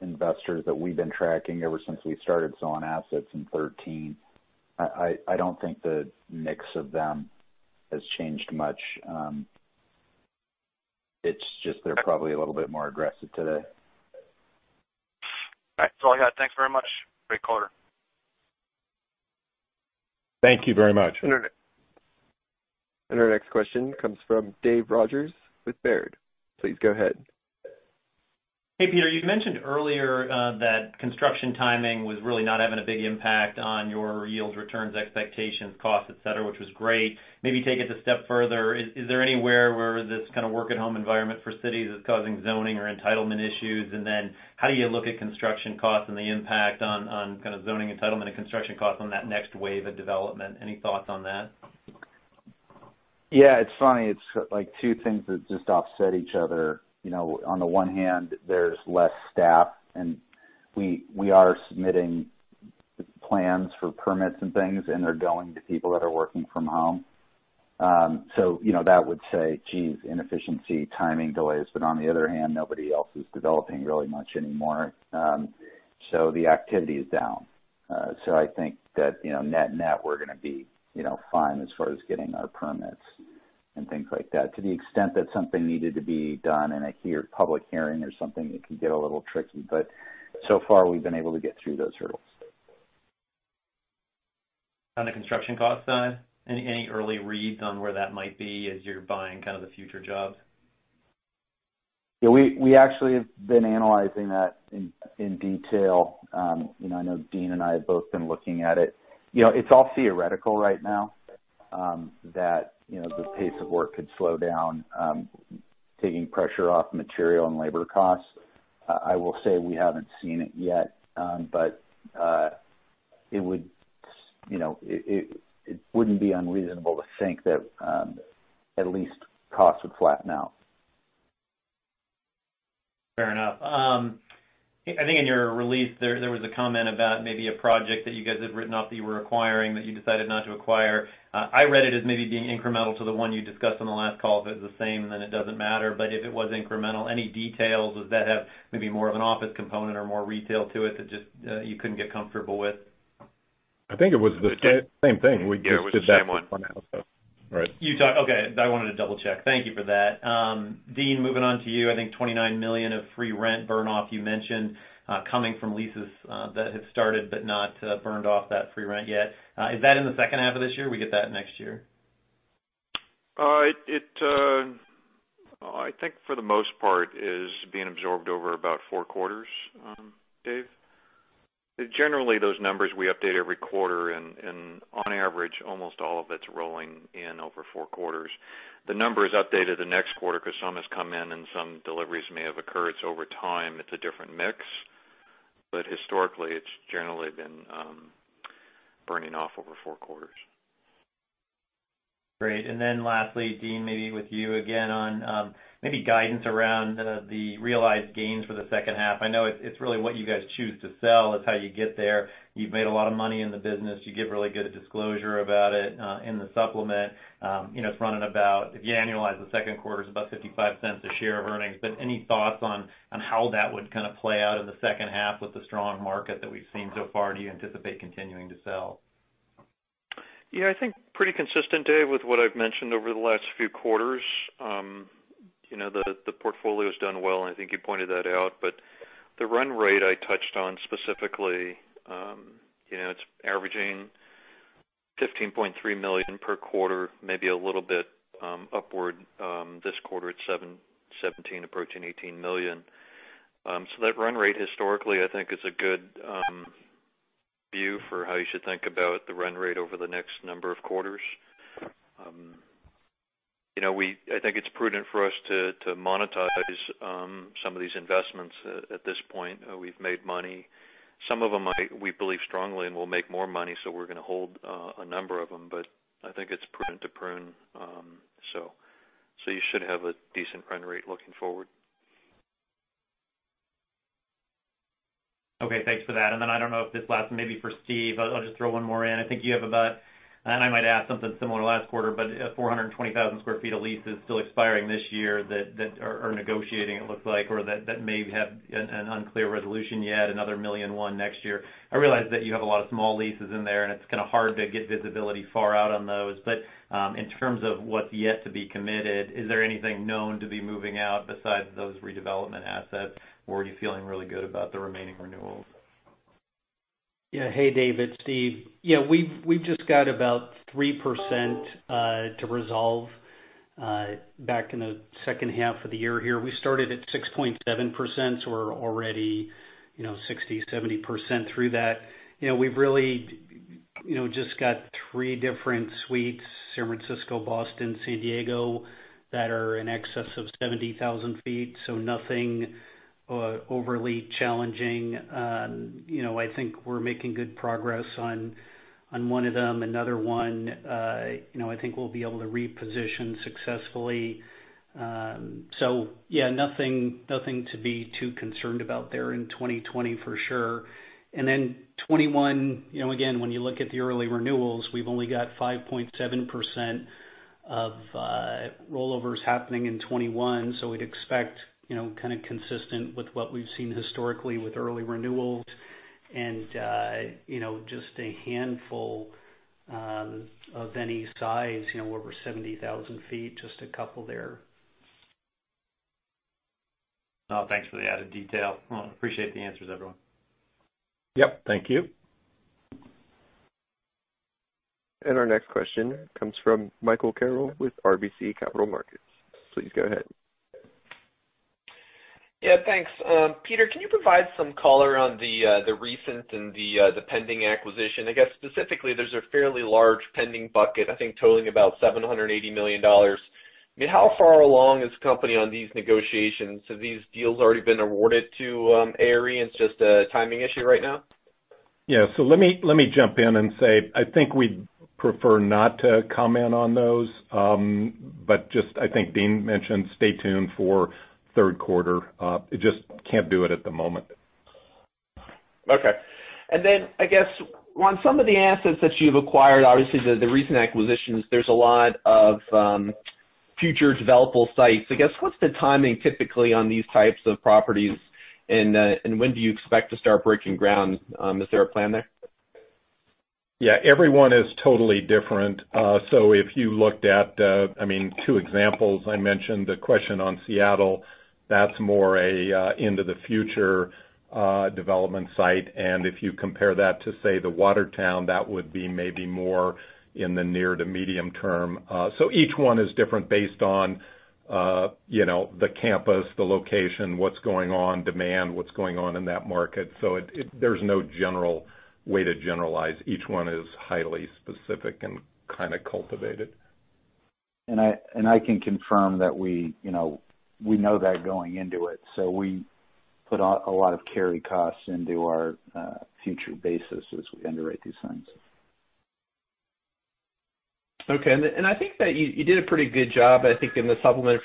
investors that we've been tracking ever since we started selling assets in 2013. I don't think the mix of them has changed much. It's just they're probably a little bit more aggressive today. All right. That's all I got. Thanks very much. Great quarter. Thank you very much. Our next question comes from Dave Rodgers with Baird. Please go ahead. Hey, Peter, you mentioned earlier that construction timing was really not having a big impact on your yield returns, expectations, costs, et cetera, which was great. Maybe take it a step further. Is there anywhere where this kind of work at home environment for cities is causing zoning or entitlement issues? How do you look at construction costs and the impact on kind of zoning entitlement and construction costs on that next wave of development? Any thoughts on that? Yeah, it's funny. It's like two things that just offset each other. On the one hand, there's less staff, and we are submitting plans for permits and things, and they're going to people that are working from home. That would say, geez, inefficiency, timing delays. On the other hand, nobody else is developing really much anymore. The activity is down. I think that net, we're going to be fine as far as getting our permits and things like that. To the extent that something needed to be done in a public hearing or something, it could get a little tricky, but so far, we've been able to get through those hurdles. On the construction cost side, any early reads on where that might be as you're buying kind of the future jobs? Yeah, we actually have been analyzing that in detail. I know Dean and I have both been looking at it. It's all theoretical right now, that the pace of work could slow down, taking pressure off material and labor costs. I will say we haven't seen it yet. It wouldn't be unreasonable to think that at least costs would flatten out. Fair enough. I think in your release, there was a comment about maybe a project that you guys had written off that you were acquiring, that you decided not to acquire. I read it as maybe being incremental to the one you discussed on the last call. If it's the same, then it doesn't matter. If it was incremental, any details? Does that have maybe more of an office component or more retail to it that just you couldn't get comfortable with? I think it was the same thing. We just did that one. Yeah, it was the same one. Right. Okay. I wanted to double-check. Thank you for that. Dean, moving on to you. I think $29 million of free rent burn-off you mentioned, coming from leases that have started but not burned off that free rent yet. Is that in the second half of this year? We get that next year? I think for the most part, it is being absorbed over about four quarters, Dave. Generally, those numbers we update every quarter, and on average, almost all of it's rolling in over four quarters. The number is updated the next quarter because some has come in, and some deliveries may have occurred. Over time, it's a different mix. Historically, it's generally been burning off over four quarters. Great. Lastly, Dean, maybe with you again on maybe guidance around the realized gains for the second half. I know it's really what you guys choose to sell. It's how you get there. You've made a lot of money in the business. You give really good disclosure about it in the supplement. It's running about, if you annualize the second quarter, it's about $0.55 a share of earnings. Any thoughts on how that would kind of play out in the second half with the strong market that we've seen so far? Do you anticipate continuing to sell? Yeah, I think pretty consistent, Dave, with what I've mentioned over the last few quarters. The portfolio's done well, and I think you pointed that out. The run rate I touched on specifically, it's averaging $15.3 million per quarter, maybe a little bit upward this quarter at $17 million, approaching $18 million. That run rate historically, I think, is a good view for how you should think about the run rate over the next number of quarters. I think it's prudent for us to monetize some of these investments at this point. We've made money. Some of them, we believe strongly in, will make more money, so we're going to hold a number of them. I think it's prudent to prune. You should have a decent run rate looking forward. Okay, thanks for that. I don't know if this last one maybe for Steve, I'll just throw one more in. I think you have about, and I might ask something similar to last quarter, but 420,000 sq ft of leases still expiring this year that are negotiating, it looks like, or that maybe have an unclear resolution yet, another 1.1 million next year. I realize that you have a lot of small leases in there, and it's kind of hard to get visibility far out on those. In terms of what's yet to be committed, is there anything known to be moving out besides those redevelopment assets? Are you feeling really good about the remaining renewals? Hey, Dave, it's Steve. We've just got about 3% to resolve back in the second half of the year here. We started at 6.7%, we're already 60%-70% through that. We've really just got three different suites, San Francisco, Boston, San Diego, that are in excess of 70,000 sq ft, nothing overly challenging. I think we're making good progress on one of them. Another one, I think we'll be able to reposition successfully. Nothing to be too concerned about there in 2020, for sure. 2021, again, when you look at the early renewals, we've only got 5.7% of rollovers happening in 2021. We'd expect kind of consistent with what we've seen historically with early renewals and just a handful of any size over 70,000 sq ft, just a couple there. Thanks for the added detail. Appreciate the answers, everyone. Yep, thank you. Our next question comes from Michael Carroll with RBC Capital Markets. Please go ahead. Yeah, thanks. Peter, can you provide some color on the recent and the pending acquisition? I guess specifically, there's a fairly large pending bucket, I think totaling about $780 million. How far along is the company on these negotiations? Have these deals already been awarded to ARE and it's just a timing issue right now? Yeah. Let me jump in and say, I think we'd prefer not to comment on those. Just, I think Dean mentioned, stay tuned for third quarter. I just can't do it at the moment. Okay. I guess, on some of the assets that you've acquired, obviously the recent acquisitions, there's a lot of future developable sites. I guess, what's the timing typically on these types of properties, and when do you expect to start breaking ground? Is there a plan there? Yeah, every one is totally different. If you looked at two examples I mentioned, the question on Seattle, that's more a into-the-future development site. If you compare that to, say, the Watertown, that would be maybe more in the near to medium term. Each one is different based on the campus, the location, what's going on, demand, what's going on in that market. There's no general way to generalize. Each one is highly specific and kind of cultivated. I can confirm that we know that going into it. We put a lot of carry costs into our future basis as we underwrite these things. Okay. I think that you did a pretty good job, I think in the supplement,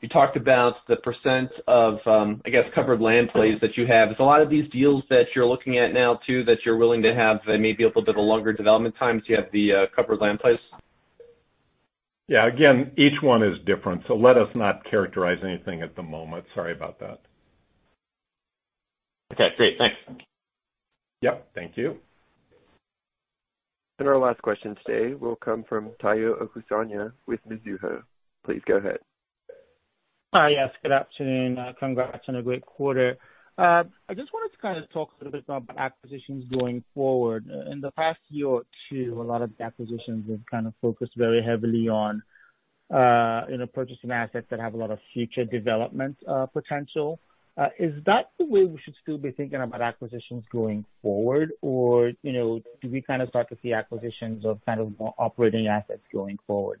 you talked about the % of, I guess, covered land plays that you have. Is a lot of these deals that you're looking at now, too, that you're willing to have maybe a little bit of longer development time till you have the covered land plays? Yeah. Again, each one is different, so let us not characterize anything at the moment. Sorry about that. Okay, great. Thanks. Yep, thank you. Our last question today will come from Tayo Okusanya with Mizuho. Please go ahead. Hi. Yes, good afternoon. Congrats on a great quarter. I just wanted to kind of talk a little bit about acquisitions going forward. In the past year or two, a lot of acquisitions have kind of focused very heavily on purchasing assets that have a lot of future development potential. Is that the way we should still be thinking about acquisitions going forward? Do we kind of start to see acquisitions of kind of more operating assets going forward?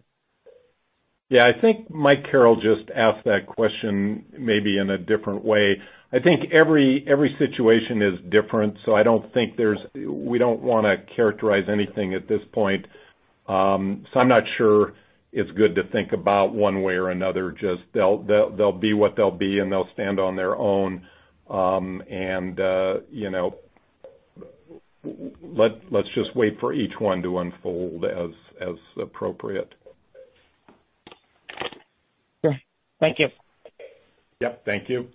Yeah. I think Mike Carroll just asked that question maybe in a different way. I think every situation is different. We don't want to characterize anything at this point. I'm not sure it's good to think about one way or another. Just they'll be what they'll be, and they'll stand on their own. Let's just wait for each one to unfold as appropriate. Sure. Thank you. Yep, thank you.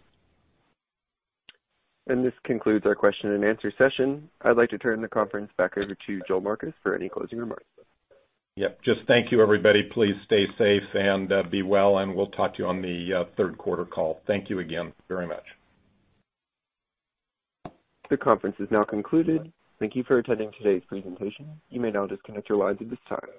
This concludes our question and answer session. I'd like to turn the conference back over to Joel Marcus for any closing remarks. Yep. Just thank you, everybody. Please stay safe and be well, and we'll talk to you on the third quarter call. Thank you again very much. The conference is now concluded. Thank you for attending today's presentation. You may now disconnect your lines at this time.